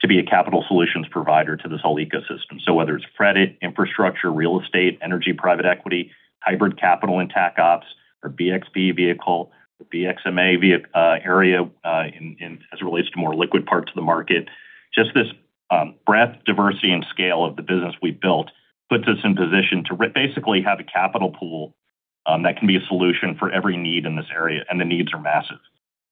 to be a capital solutions provider to this whole ecosystem. Whether it's credit, infrastructure, real estate, energy, private equity, hybrid capital in Tac Opps or BXB vehicle or BXMA area as it relates to more liquid parts of the market. Just this breadth, diversity, and scale of the business we've built puts us in position to basically have a capital pool that can be a solution for every need in this area, and the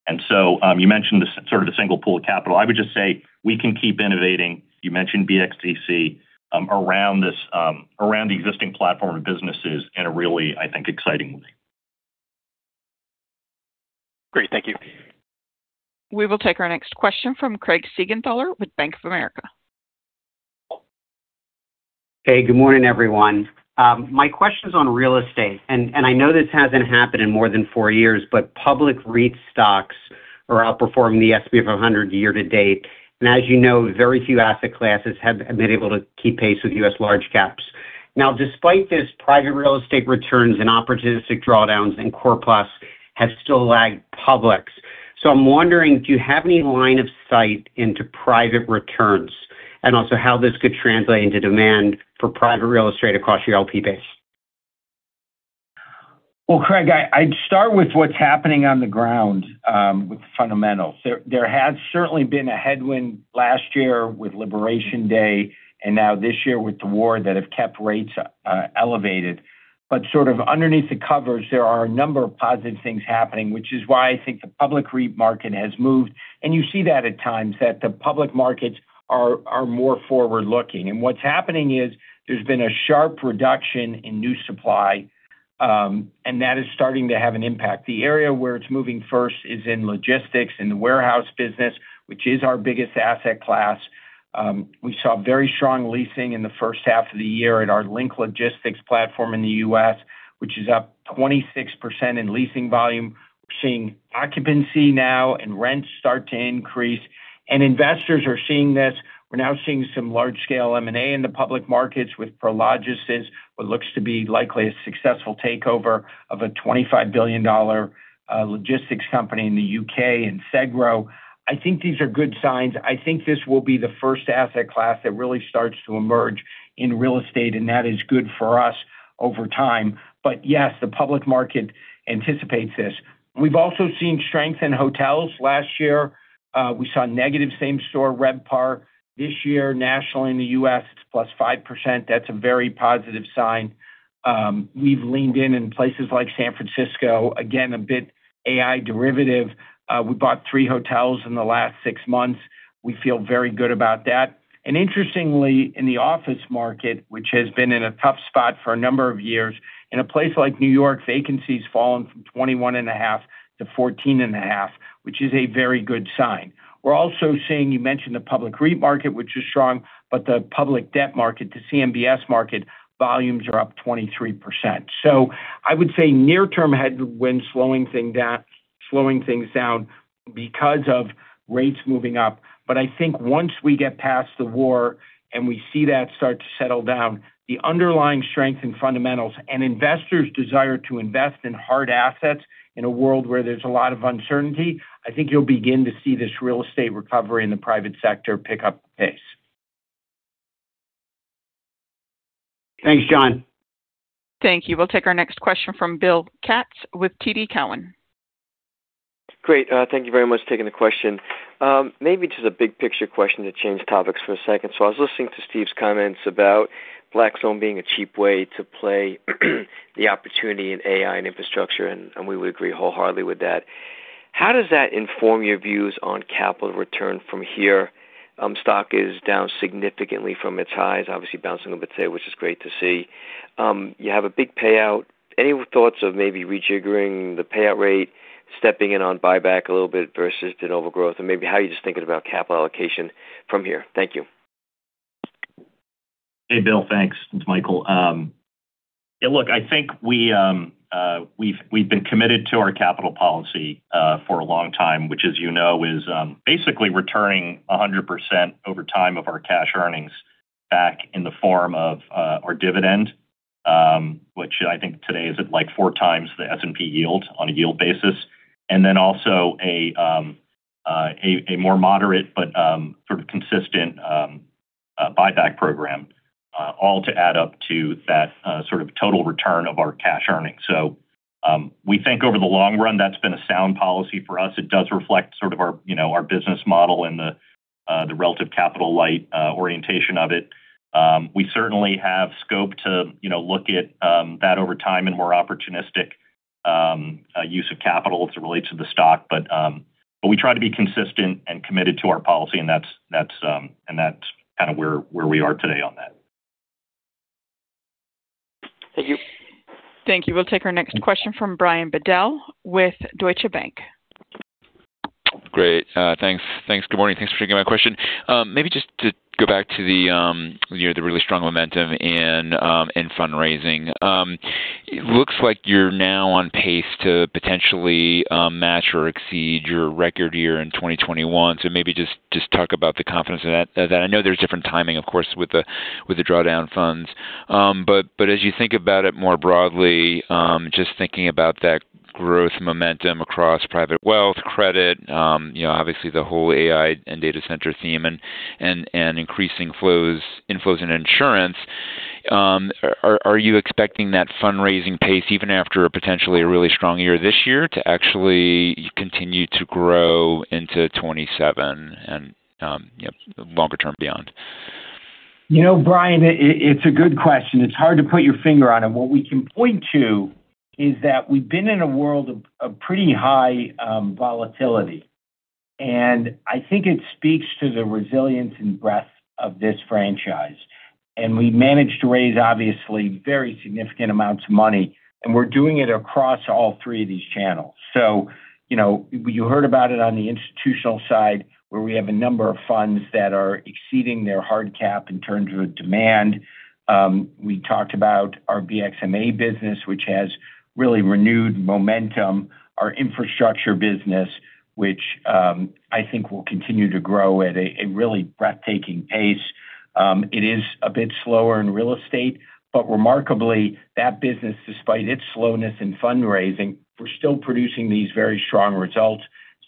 needs are massive. You mentioned the sort of the single pool of capital. I would just say we can keep innovating. You mentioned BXDC around the existing platform of businesses in a really, I think, exciting way. Great, thank you. We will take our next question from Craig Siegenthaler with Bank of America. Hey, good morning, everyone. My question's on real estate. I know this hasn't happened in more than four years, but public REIT stocks are outperforming the S&P 500 year to date. As you know, very few asset classes have been able to keep pace with U.S. large caps. Now, despite this, private real estate returns and opportunistic drawdowns in core plus have still lagged publics. I'm wondering, do you have any line of sight into private returns and also how this could translate into demand for private real estate across your LP base? Well, Craig, I'd start with what's happening on the ground with the fundamentals. There has certainly been a headwind last year with Liberation Day and now this year with the war that have kept rates elevated. Sort of underneath the covers, there are a number of positive things happening, which is why I think the public REIT market has moved. You see that at times that the public markets are more forward-looking. What's happening is there's been a sharp reduction in new supply, and that is starting to have an impact. The area where it's moving first is in logistics, in the warehouse business, which is our biggest asset class. We saw very strong leasing in the first half of the year at our Link Logistics platform in the U.S., which is up 26% in leasing volume. We're seeing occupancy now and rents start to increase. Investors are seeing this. We're now seeing some large-scale M&A in the public markets with Prologis, what looks to be likely a successful takeover of a $25 billion logistics company in the U.K. in SEGRO. I think these are good signs. I think this will be the first asset class that really starts to emerge in real estate. That is good for us over time. Yes, the public market anticipates this. We've also seen strength in hotels. Last year, we saw negative same store RevPAR. This year, nationally in the U.S., it's +5%. That's a very positive sign. We've leaned in in places like San Francisco, again, a bit AI derivative. We bought three hotels in the last six months. We feel very good about that. Interestingly, in the office market, which has been in a tough spot for a number of years, in a place like New York, vacancy's fallen from 21.5% to 14.5%, which is a very good sign. We're also seeing, you mentioned the public REIT market, which is strong, but the public debt market, the CMBS market, volumes are up 23%. I would say near term headwind slowing things down because of rates moving up. I think once we get past the war and we see that start to settle down, the underlying strength in fundamentals and investors' desire to invest in hard assets in a world where there's a lot of uncertainty, I think you'll begin to see this real estate recovery in the private sector pick up pace. Thanks, Jon. Thank you. We'll take our next question from Bill Katz with TD Cowen. Great. Thank you very much for taking the question. Maybe just a big picture question to change topics for a second. I was listening to Steve's comments about Blackstone being a cheap way to play the opportunity in AI and infrastructure, and we would agree wholeheartedly with that. How does that inform your views on capital return from here? Stock is down significantly from its highs, obviously bouncing a bit today, which is great to see. You have a big payout. Any thoughts of maybe rejiggering the payout rate, stepping in on buyback a little bit versus internal growth? Maybe how you're just thinking about capital allocation from here. Thank you. Hey, Bill. Thanks. It's Michael. Yeah, look, I think we've been committed to our capital policy for a long time, which as you know is basically returning 100% over time of our cash earnings back in the form of our dividend, which I think today is at 4x the S&P yield on a yield basis. Then also a more moderate but sort of consistent buyback program all to add up to that sort of total return of our cash earnings. We think over the long run, that's been a sound policy for us. It does reflect sort of our business model and the relative capital light orientation of it. We certainly have scope to look at that over time and more opportunistic use of capital as it relates to the stock. We try to be consistent and committed to our policy, that's kind of where we are today on that. Thank you. Thank you. We'll take our next question from Brian Bedell with Deutsche Bank. Great. Thanks. Good morning. Thanks for taking my question. Maybe just to go back to the really strong momentum in fundraising. It looks like you're now on pace to potentially match or exceed your record year in 2021. Maybe just talk about the confidence in that. I know there's different timing, of course, with the drawdown funds. As you think about it more broadly, just thinking about that growth momentum across private wealth, credit, obviously the whole AI and data center theme, and increasing inflows in insurance, are you expecting that fundraising pace, even after potentially a really strong year this year, to actually continue to grow into 2027 and longer term beyond? Brian, it's a good question. It's hard to put your finger on it. What we can point to is that we've been in a world of pretty high volatility, I think it speaks to the resilience and breadth of this franchise. We've managed to raise, obviously, very significant amounts of money, and we're doing it across all three of these channels. You heard about it on the institutional side, where we have a number of funds that are exceeding their hard cap in terms of demand. We talked about our BXMA business, which has really renewed momentum. Our infrastructure business, which I think will continue to grow at a really breathtaking pace. It is a bit slower in real estate, remarkably, that business, despite its slowness in fundraising, we're still producing these very strong results.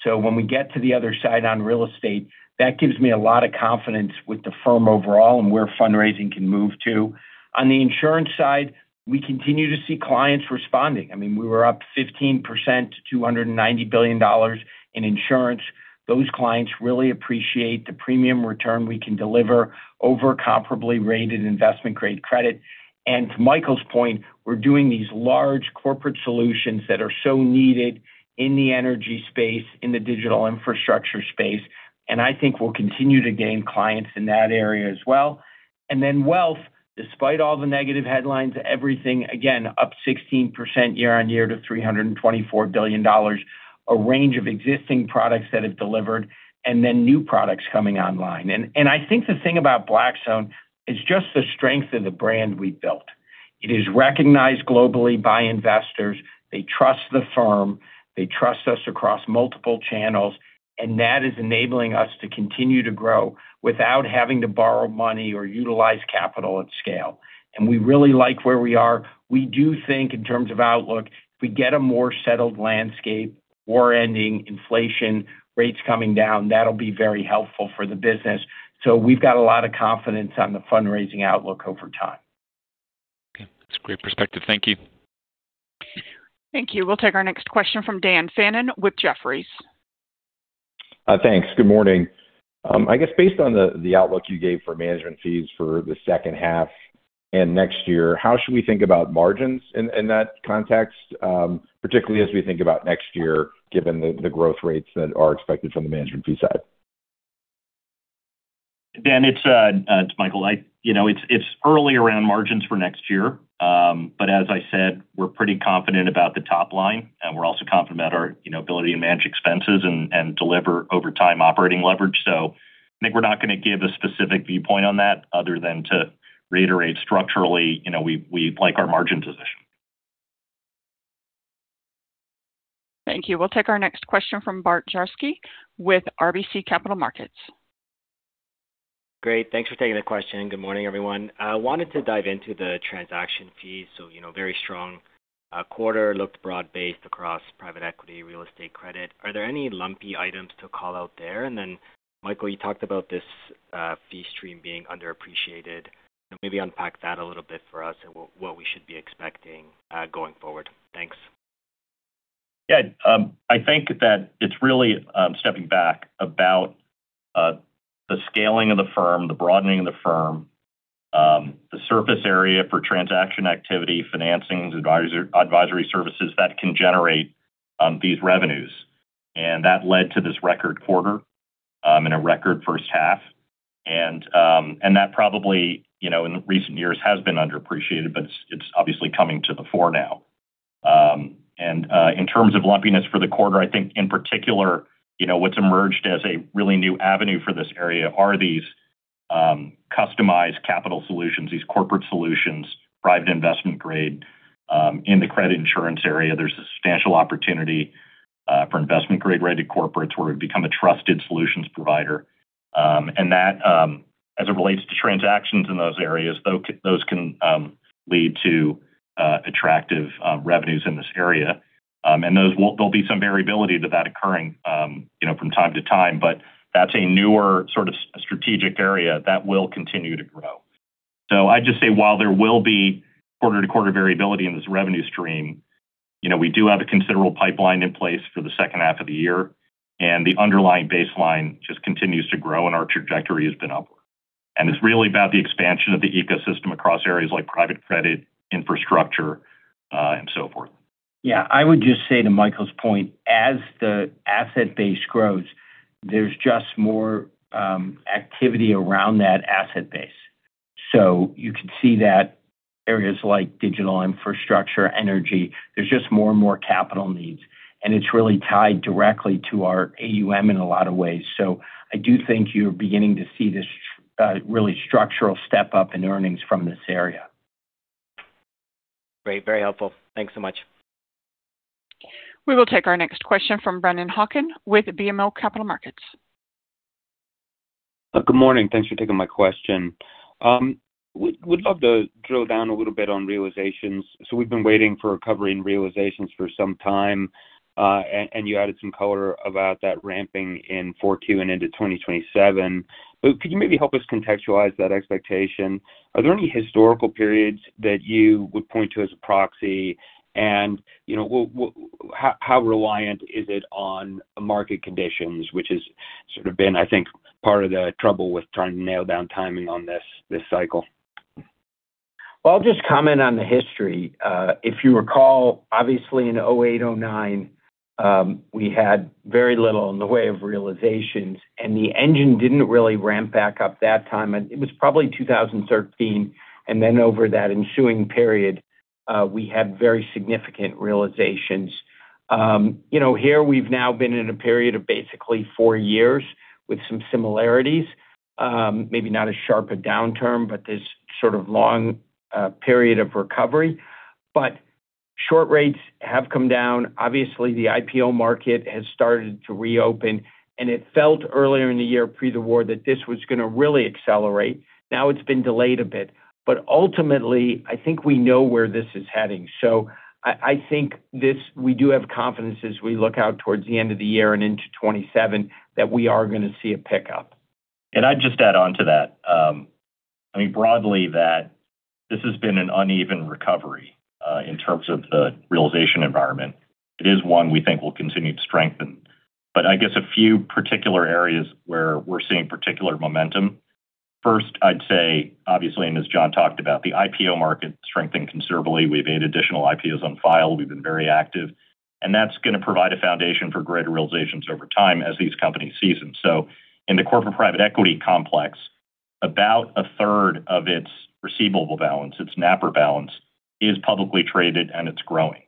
When we get to the other side on real estate, that gives me a lot of confidence with the firm overall and where fundraising can move to. On the insurance side, we continue to see clients responding. I mean, we were up 15% to $290 billion in insurance. Those clients really appreciate the premium return we can deliver over comparably rated investment-grade credit. To Michael's point, we're doing these large corporate solutions that are so needed in the energy space, in the digital infrastructure space, I think we'll continue to gain clients in that area as well. Then wealth, despite all the negative headlines, everything, again, up 16% year-over-year to $324 billion. A range of existing products that have delivered and then new products coming online. I think the thing about Blackstone is just the strength of the brand we've built. It is recognized globally by investors. They trust the firm. They trust us across multiple channels, that is enabling us to continue to grow without having to borrow money or utilize capital at scale. We really like where we are. We do think in terms of outlook, if we get a more settled landscape, war ending, inflation, rates coming down, that'll be very helpful for the business. We've got a lot of confidence on the fundraising outlook over time. Okay. That's a great perspective. Thank you. Thank you. We'll take our next question from Dan Fannon with Jefferies. Thanks. Good morning. I guess based on the outlook you gave for management fees for the second half and next year, how should we think about margins in that context, particularly as we think about next year, given the growth rates that are expected from the management fee side? Dan, it's Michael. It's early around margins for next year. As I said, we're pretty confident about the top line, and we're also confident about our ability to manage expenses and deliver over time operating leverage. I think we're not going to give a specific viewpoint on that other than to reiterate structurally, we like our margin position. Thank you. We'll take our next question from Bart Dziarski with RBC Capital Markets. Great. Thanks for taking the question. Good morning, everyone. I wanted to dive into the transaction fees. Very strong quarter, looked broad-based across private equity, real estate credit. Are there any lumpy items to call out there? Then Michael, you talked about this fee stream being underappreciated. Maybe unpack that a little bit for us and what we should be expecting going forward. Thanks. Yeah. I think that it's really stepping back about the scaling of the firm, the broadening of the firm, the surface area for transaction activity, financings, advisory services that can generate these revenues. That led to this record quarter in a record first half. That probably, in recent years, has been underappreciated, but it's obviously coming to the fore now. In terms of lumpiness for the quarter, I think in particular, what's emerged as a really new avenue for this area are these customized capital solutions, these corporate solutions, private investment grade in the credit insurance area. There's a substantial opportunity for investment grade-rated corporates where we've become a trusted solutions provider. That, as it relates to transactions in those areas, those can lead to attractive revenues in this area. There'll be some variability to that occurring from time to time, but that's a newer sort of strategic area that will continue to grow. I'd just say while there will be quarter-to-quarter variability in this revenue stream, we do have a considerable pipeline in place for the second half of the year, and the underlying baseline just continues to grow, and our trajectory has been upward. It's really about the expansion of the ecosystem across areas like private credit, infrastructure, and so forth. Yeah, I would just say to Michael's point, as the asset base grows, there's just more activity around that asset base. You can see that areas like digital infrastructure, energy, there's just more and more capital needs, and it's really tied directly to our AUM in a lot of ways. I do think you're beginning to see this really structural step up in earnings from this area. Great. Very helpful. Thanks so much. We will take our next question from Brennan Hawken with BMO Capital Markets. Good morning. Thanks for taking my question. We'd love to drill down a little bit on realizations. We've been waiting for recovery and realizations for some time. You added some color about that ramping in 4Q and into 2027. Could you maybe help us contextualize that expectation? Are there any historical periods that you would point to as a proxy? How reliant is it on market conditions, which has sort of been, I think, part of the trouble with trying to nail down timing on this cycle. Well, I'll just comment on the history. If you recall, obviously in 2008, 2009, we had very little in the way of realizations, and the engine didn't really ramp back up that time. It was probably 2013. Over that ensuing period, we had very significant realizations. Here we've now been in a period of basically four years with some similarities. Maybe not as sharp a downturn, but this sort of long period of recovery. Short rates have come down. Obviously, the IPO market has started to reopen, and it felt earlier in the year, pre the war, that this was going to really accelerate. Now it's been delayed a bit, but ultimately, I think we know where this is heading. I think we do have confidence as we look out towards the end of the year and into 2027, that we are going to see a pickup. I'd just add on to that. I mean broadly that this has been an uneven recovery in terms of the realization environment. It is one we think will continue to strengthen. I guess a few particular areas where we're seeing particular momentum. First, I'd say obviously, and as Jon talked about, the IPO market strengthened considerably. We've had additional IPOs on file. We've been very active, and that's going to provide a foundation for greater realizations over time as these companies season. In the corporate private equity complex, about 1/3 of its receivable balance, its NAPR balance, is publicly traded and it's growing.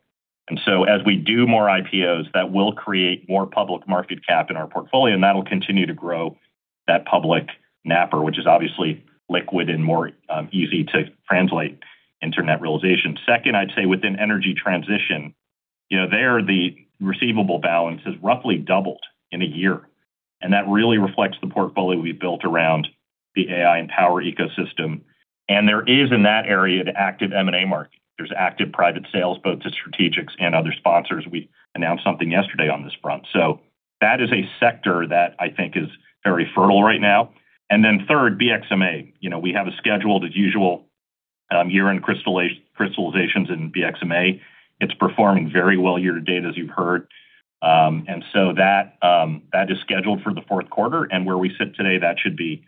As we do more IPOs, that will create more public market cap in our portfolio, and that'll continue to grow that public NAPR, which is obviously liquid and more easy to translate into net realization. Second, I'd say within energy transition, there the receivable balance has roughly doubled in a year, and that really reflects the portfolio we've built around the AI and power ecosystem. There is in that area, the active M&A market. There's active private sales both to strategics and other sponsors. We announced something yesterday on this front. That is a sector that I think is very fertile right now. Third, BXMA. We have a scheduled as usual year-end crystallizations in BXMA. It's performing very well year to date, as you've heard. That is scheduled for the fourth quarter. Where we sit today, that should be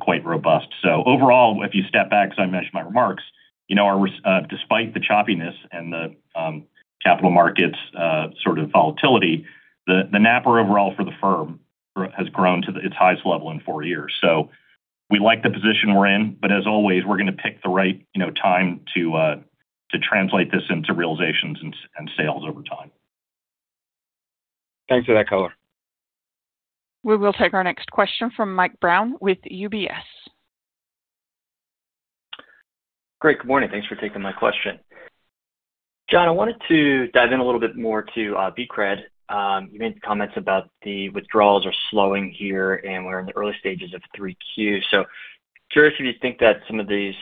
quite robust. Overall, if you step back, as I mentioned my remarks, despite the choppiness and the capital markets sort of volatility, the NAPR overall for the firm has grown to its highest level in four years. We like the position we're in, but as always, we're going to pick the right time to translate this into realizations and sales over time. Thanks for that color. We will take our next question from Mike Brown with UBS. Great, good morning. Thanks for taking my question. Jon, I wanted to dive in a little bit more to BCRED. You made the comments about the withdrawals are slowing here, and we're in the early stages of 3Q. Curious if you think that some of these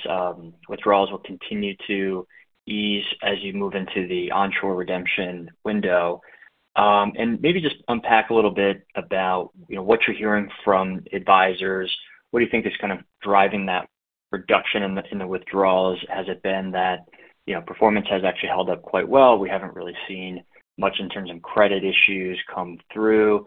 withdrawals will continue to ease as you move into the onshore redemption window. Maybe just unpack a little bit about what you're hearing from advisors. What do you think is kind of driving that reduction in the withdrawals? Has it been that performance has actually held up quite well, we haven't really seen much in terms of credit issues come through?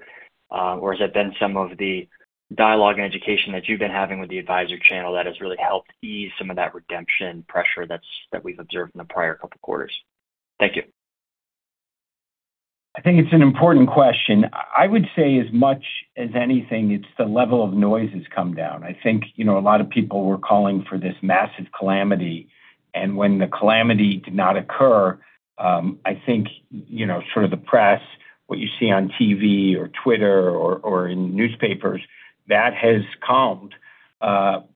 Or has it been some of the dialogue and education that you've been having with the advisor channel that has really helped ease some of that redemption pressure that we've observed in the prior couple of quarters? Thank you. I think it's an important question. I would say as much as anything, it's the level of noise has come down. I think a lot of people were calling for this massive calamity, and when the calamity did not occur, I think sort of the press, what you see on TV or Twitter or in newspapers, that has calmed.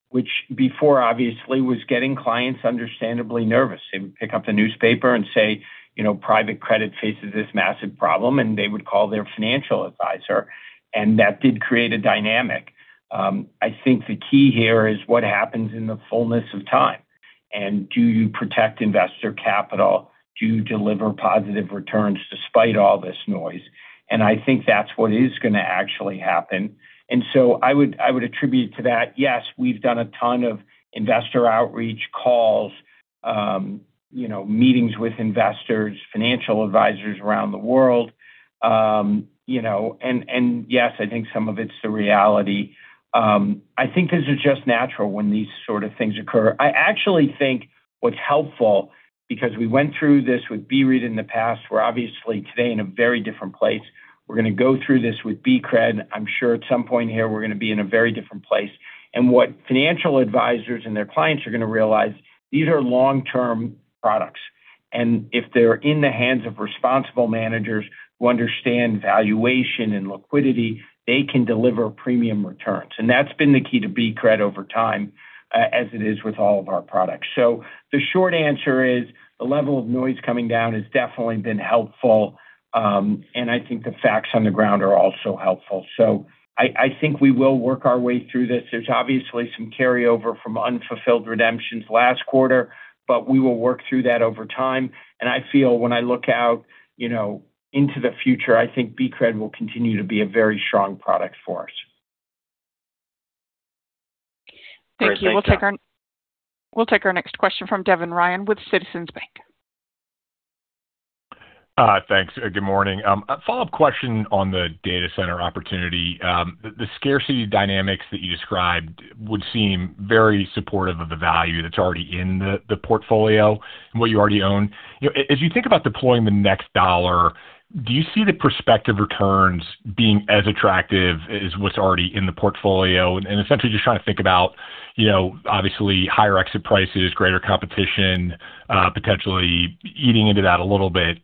Which before obviously was getting clients understandably nervous. They would pick up the newspaper and say, "Private credit faces this massive problem," and they would call their financial advisor, and that did create a dynamic. I think the key here is what happens in the fullness of time, and do you protect investor capital? Do you deliver positive returns despite all this noise? I think that's what is going to actually happen. I would attribute to that, yes, we've done a ton of investor outreach calls. Meetings with investors, financial advisors around the world. Yes, I think some of it's the reality. I think this is just natural when these sort of things occur. I actually think what's helpful, because we went through this with BREIT in the past. We're obviously today in a very different place. We're going to go through this with BCRED. I'm sure at some point here we're going to be in a very different place. What financial advisors and their clients are going to realize, these are long-term products. If they're in the hands of responsible managers who understand valuation and liquidity, they can deliver premium returns. That's been the key to BCRED over time, as it is with all of our products. The short answer is the level of noise coming down has definitely been helpful. I think the facts on the ground are also helpful. I think we will work our way through this. There's obviously some carryover from unfulfilled redemptions last quarter, but we will work through that over time. I feel when I look out into the future, I think BCRED will continue to be a very strong product for us. Great. Thanks, Jon. Thank you. We'll take our next question from Devin Ryan with Citizens Bank. Thanks. Good morning. A follow-up question on the data center opportunity. The scarcity dynamics that you described would seem very supportive of the value that's already in the portfolio and what you already own. As you think about deploying the next dollar, do you see the prospective returns being as attractive as what's already in the portfolio? Essentially just trying to think about obviously higher exit prices, greater competition, potentially eating into that a little bit,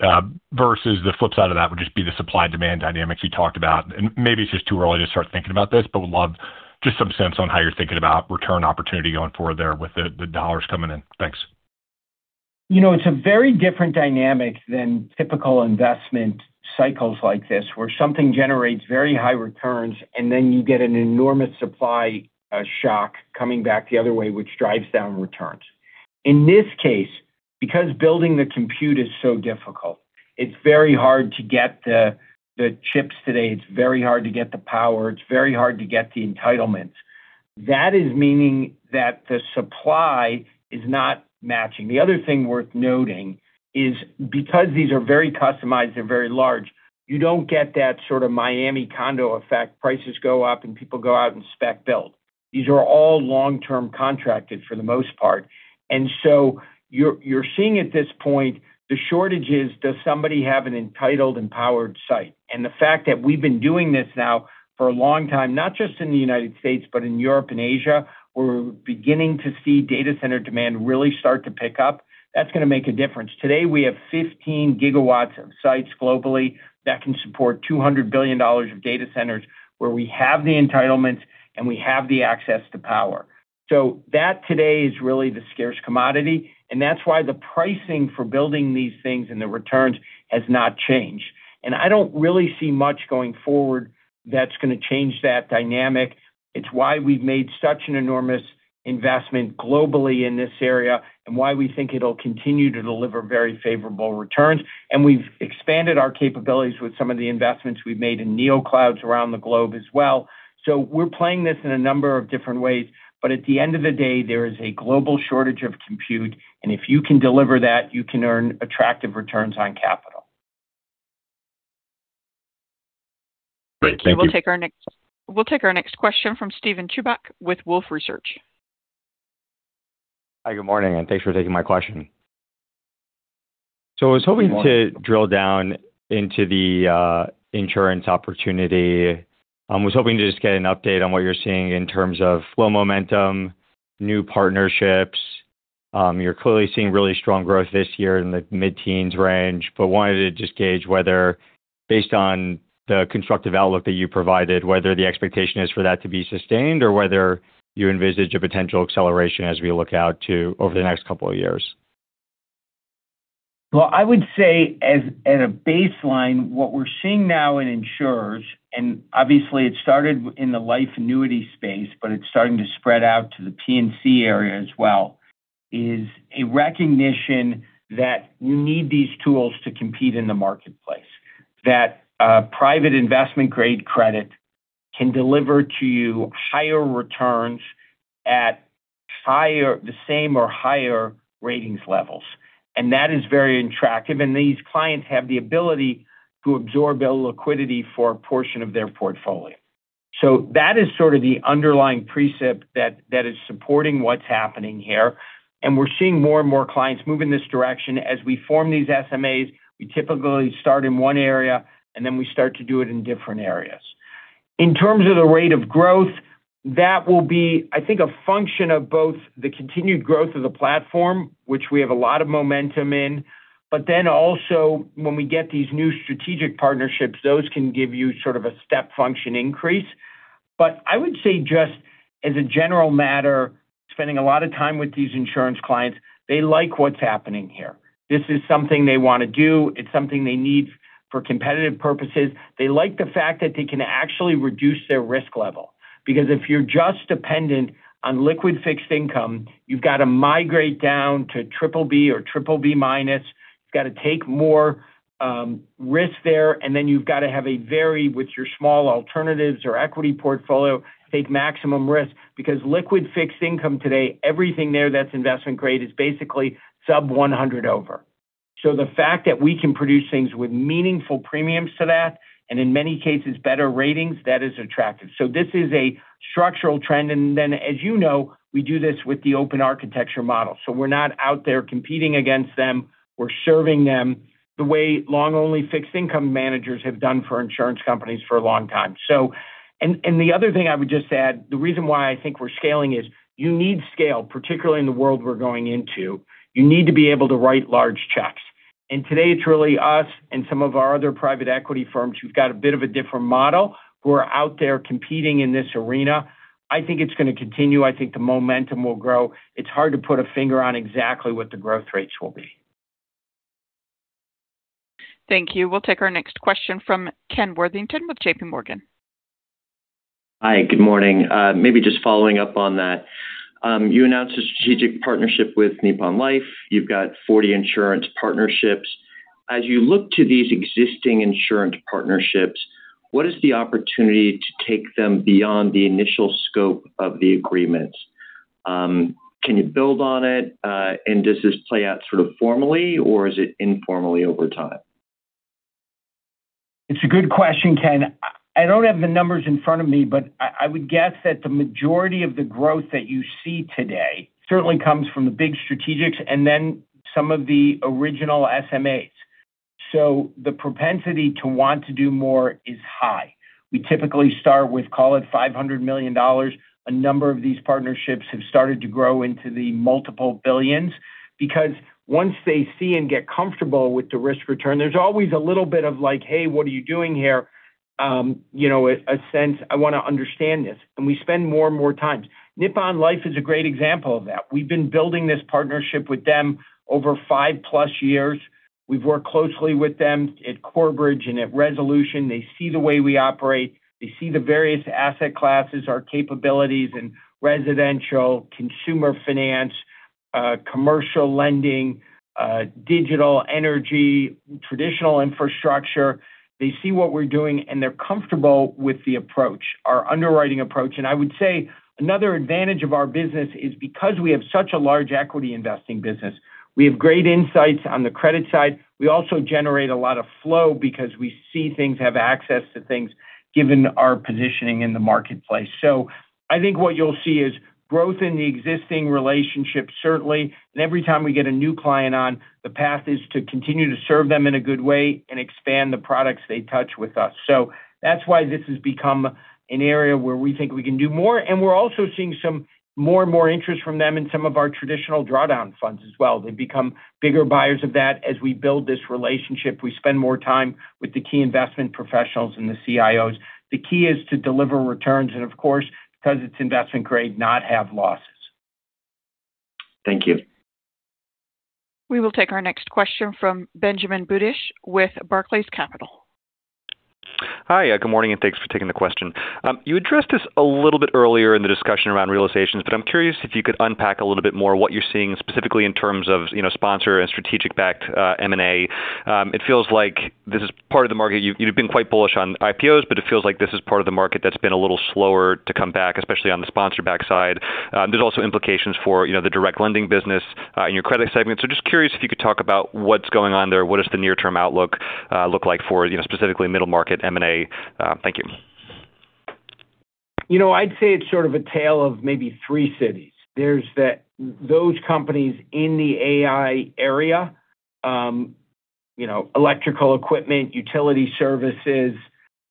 versus the flip side of that, which would be the supply-demand dynamics you talked about. Maybe it's just too early to start thinking about this, but would love just some sense on how you're thinking about return opportunity going forward there with the dollars coming in. Thanks. It's a very different dynamic than typical investment cycles like this, where something generates very high returns, then you get an enormous supply shock coming back the other way, which drives down returns. In this case, because building the compute is so difficult, it's very hard to get the chips today. It's very hard to get the power. It's very hard to get the entitlements. That is meaning that the supply is not matching. The other thing worth noting is because these are very customized and very large, you don't get that sort of Miami condo effect. Prices go up and people go out and spec build. These are all long-term contracted for the most part. So you're seeing at this point the shortage is does somebody have an entitled and powered site? The fact that we've been doing this now for a long time, not just in the United States., but in Europe and Asia, we're beginning to see data center demand really start to pick up. That's going to make a difference. Today, we have 15 GW of sites globally that can support $200 billion of data centers where we have the entitlements, and we have the access to power. That today is really the scarce commodity, and that's why the pricing for building these things and the returns has not changed. I don't really see much going forward that's going to change that dynamic. It's why we've made such an enormous investment globally in this area, and why we think it'll continue to deliver very favorable returns. We've expanded our capabilities with some of the investments we've made in neoclouds around the globe as well. We're playing this in a number of different ways. At the end of the day, there is a global shortage of compute, and if you can deliver that, you can earn attractive returns on capital. Great. Thank you. We'll take our next question from Steven Chubak with Wolfe Research. Hi, good morning, and thanks for taking my question. I was hoping Good morning I was hoping to drill down into the insurance opportunity. I was hoping to just get an update on what you're seeing in terms of flow momentum, new partnerships. You're clearly seeing really strong growth this year in the mid-teens range, but wanted to just gauge whether based on the constructive outlook that you provided, whether the expectation is for that to be sustained or whether you envisage a potential acceleration as we look out to over the next couple of years. I would say as at a baseline, what we're seeing now in insurers, and obviously it started in the life annuity space, but it's starting to spread out to the P&C area as well, is a recognition that you need these tools to compete in the marketplace, that private investment-grade credit can deliver to you higher returns at the same or higher ratings levels. That is very attractive. These clients have the ability to absorb illiquidity for a portion of their portfolio. That is sort of the underlying precept that is supporting what's happening here. We're seeing more and more clients move in this direction. As we form these SMAs, we typically start in one area, and then we start to do it in different areas. In terms of the rate of growth, that will be, I think, a function of both the continued growth of the platform, which we have a lot of momentum in. Also when we get these new strategic partnerships, those can give you sort of a step function increase. I would say just as a general matter, spending a lot of time with these insurance clients, they like what's happening here. This is something they want to do. It's something they need for competitive purposes. They like the fact that they can actually reduce their risk level because if you're just dependent on liquid fixed income, you've got to migrate down to BBB or BBB-. You've got to take more risk there, and then you've got to have a very, with your small alternatives or equity portfolio, take maximum risk because liquid fixed income today, everything there that's investment grade is basically sub 100 over. The fact that we can produce things with meaningful premiums to that, and in many cases, better ratings, that is attractive. This is a structural trend. As you know, we do this with the open architecture model. We're not out there competing against them. We're serving them the way long-only fixed income managers have done for insurance companies for a long time. The other thing I would just add, the reason why I think we're scaling is you need scale, particularly in the world we're going into. You need to be able to write large checks. Today it's really us and some of our other private equity firms who've got a bit of a different model who are out there competing in this arena. I think it's going to continue. I think the momentum will grow. It's hard to put a finger on exactly what the growth rates will be. Thank you. We'll take our next question from Ken Worthington with JPMorgan. Hi, good morning. Maybe just following up on that. You announced a strategic partnership with Nippon Life. You've got 40 insurance partnerships. As you look to these existing insurance partnerships, what is the opportunity to take them beyond the initial scope of the agreements? Can you build on it? Does this play out sort of formally or is it informally over time? It's a good question, Ken. I don't have the numbers in front of me, but I would guess that the majority of the growth that you see today certainly comes from the big strategics and then some of the original SMAs. The propensity to want to do more is high. We typically start with call it $500 million. A number of these partnerships have started to grow into the multiple billions because once they see and get comfortable with the risk return, there's always a little bit of like, "Hey, what are you doing here?" A sense, I want to understand this. We spend more and more time. Nippon Life is a great example of that. We've been building this partnership with them over five plus years. We've worked closely with them at Corebridge and at Resolution. They see the way we operate. They see the various asset classes, our capabilities in residential, consumer finance, commercial lending, digital, energy, traditional infrastructure. They see what we're doing, and they're comfortable with the approach, our underwriting approach. I would say another advantage of our business is because we have such a large equity investing business, we have great insights on the credit side. We also generate a lot of flow because we see things, have access to things, given our positioning in the marketplace. I think what you'll see is growth in the existing relationships, certainly. Every time we get a new client on, the path is to continue to serve them in a good way and expand the products they touch with us. That's why this has become an area where we think we can do more, and we're also seeing some more and more interest from them in some of our traditional drawdown funds as well. They've become bigger buyers of that as we build this relationship. We spend more time with the key investment professionals and the CIOs. The key is to deliver returns and of course, because it's investment grade, not have losses. Thank you. We will take our next question from Benjamin Budish with Barclays Capital. Hi, good morning, and thanks for taking the question. You addressed this a little bit earlier in the discussion around realizations, but I'm curious if you could unpack a little bit more what you're seeing specifically in terms of sponsor and strategic-backed M&A. It feels like this is part of the market. You've been quite bullish on IPOs, but it feels like this is part of the market that's been a little slower to come back, especially on the sponsor back side. There's also implications for the direct lending business in your credit segment. Just curious if you could talk about what's going on there. What does the near-term outlook look like for specifically middle market M&A? Thank you. I'd say it's sort of a tale of maybe three cities. There's those companies in the AI area, electrical equipment, utility services,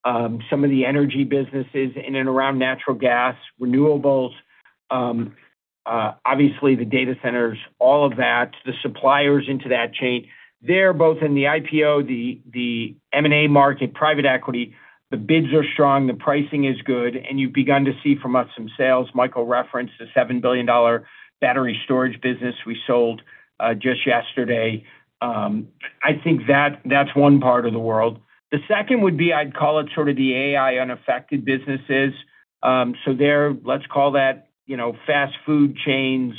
some of the energy businesses in and around natural gas, renewables, obviously the data centers, all of that, the suppliers into that chain. They're both in the IPO, the M&A market, private equity. The bids are strong, the pricing is good, and you've begun to see from us some sales. Michael referenced the $7 billion battery storage business we sold just yesterday. I think that's one part of the world. The second would be, I'd call it sort of the AI unaffected businesses. There, let's call that fast food chains,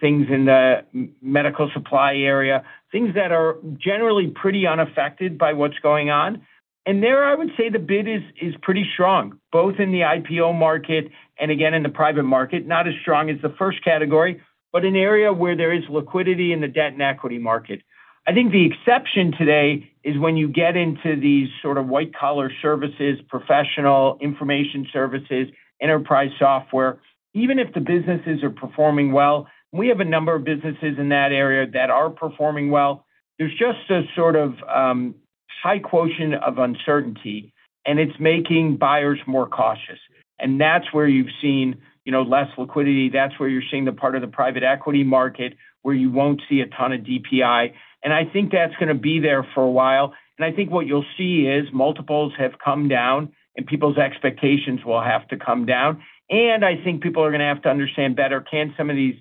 things in the medical supply area, things that are generally pretty unaffected by what's going on. And there, I would say the bid is pretty strong, both in the IPO market and again in the private market. Not as strong as the first category, but an area where there is liquidity in the debt and equity market. I think the exception today is when you get into these sort of white collar services, professional information services, enterprise software. Even if the businesses are performing well, we have a number of businesses in that area that are performing well. There's just a sort of high quotient of uncertainty, and it's making buyers more cautious. That's where you've seen less liquidity. That's where you're seeing the part of the private equity market where you won't see a ton of DPI, and I think that's going to be there for a while. I think what you'll see is multiples have come down, and people's expectations will have to come down. I think people are going to have to understand better, can some of these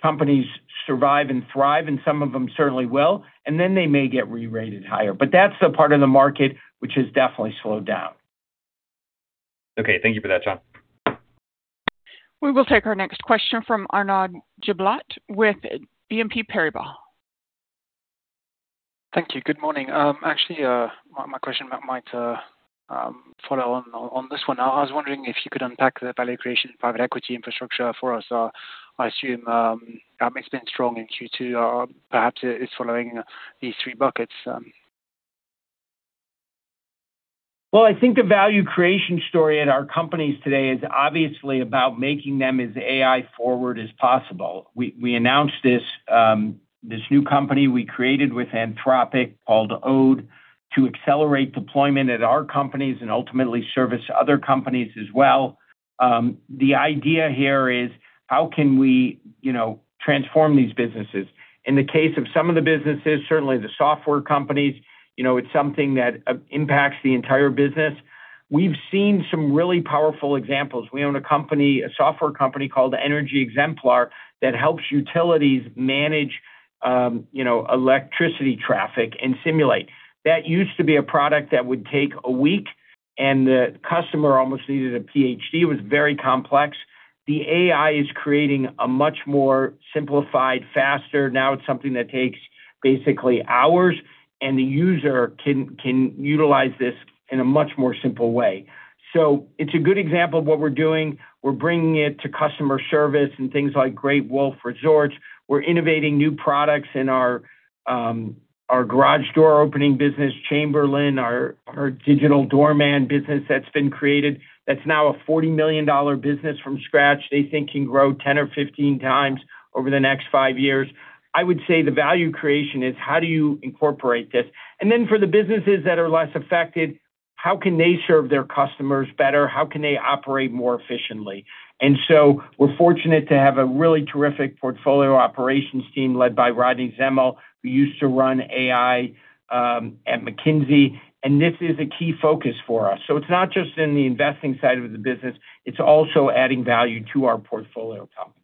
companies survive and thrive? Some of them certainly will. Then they may get re-rated higher. That's the part of the market which has definitely slowed down. Okay. Thank you for that, Jon. We will take our next question from Arnaud Giblat with BNP Paribas. Thank you. Good morning. Actually, my question might follow on this one. I was wondering if you could unpack the value creation private equity infrastructure for us. I assume that mix been strong in Q2, perhaps it's following these three buckets. Well, I think the value creation story at our companies today is obviously about making them as AI-forward as possible. We announced this new company we created with Anthropic called Ode to accelerate deployment at our companies and ultimately service other companies as well. The idea here is how can we transform these businesses. In the case of some of the businesses, certainly the software companies, it's something that impacts the entire business. We've seen some really powerful examples. We own a software company called Energy Exemplar that helps utilities manage electricity traffic and simulate. That used to be a product that would take a week, and the customer almost needed a Ph.D. It was very complex. The AI is creating a much more simplified, faster. Now it's something that takes basically hours, and the user can utilize this in a much more simple way. It's a good example of what we're doing. We're bringing it to customer service and things like Great Wolf Resorts. We're innovating new products in our garage door opening business, Chamberlain, our digital doorman business that's been created, that's now a $40 million business from scratch they think can grow 10x or 15x over the next five years. I would say the value creation is how do you incorporate this? For the businesses that are less affected, how can they serve their customers better? How can they operate more efficiently? We're fortunate to have a really terrific portfolio operations team led by Rodney Zemmel, who used to run AI at McKinsey, and this is a key focus for us. It's not just in the investing side of the business, it's also adding value to our portfolio companies.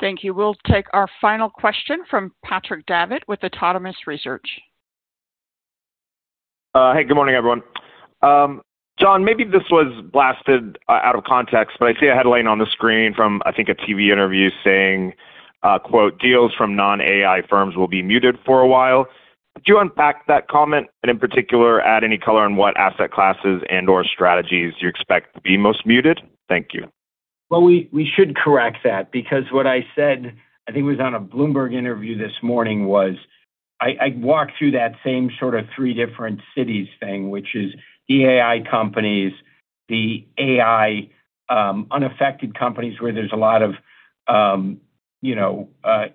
Thank you. We'll take our final question from Patrick Davitt with Autonomous Research. Hey, good morning, everyone. Jon, maybe this was blasted out of context, but I see a headline on the screen from, I think, a Bloomberg interview saying, quote, "Deals from non-AI firms will be muted for a while." Could you unpack that comment and in particular add any color on what asset classes and/or strategies you expect to be most muted? Thank you. Well, we should correct that, because what I said, I think it was on a Bloomberg interview this morning, was I walked through that same sort of three different cities thing, which is the AI companies, the AI unaffected companies where there's a lot of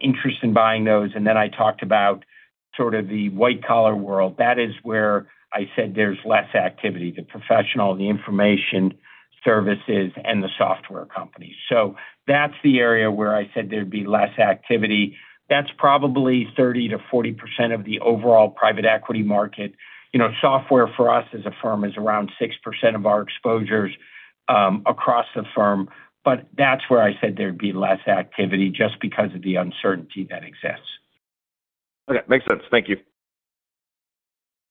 interest in buying those. I talked about sort of the white-collar world. That is where I said there's less activity, the professional, the information services, and the software companies. That's the area where I said there'd be less activity. That's probably 30%-40% of the overall private equity market. Software for us as a firm is around 6% of our exposures across the firm. That's where I said there'd be less activity just because of the uncertainty that exists. Okay. Makes sense. Thank you.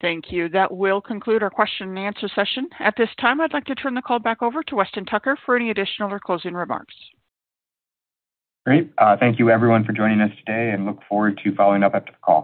Thank you. That will conclude our question and answer session. At this time, I'd like to turn the call back over to Weston Tucker for any additional or closing remarks. Great. Thank you everyone for joining us today. Look forward to following up after the call.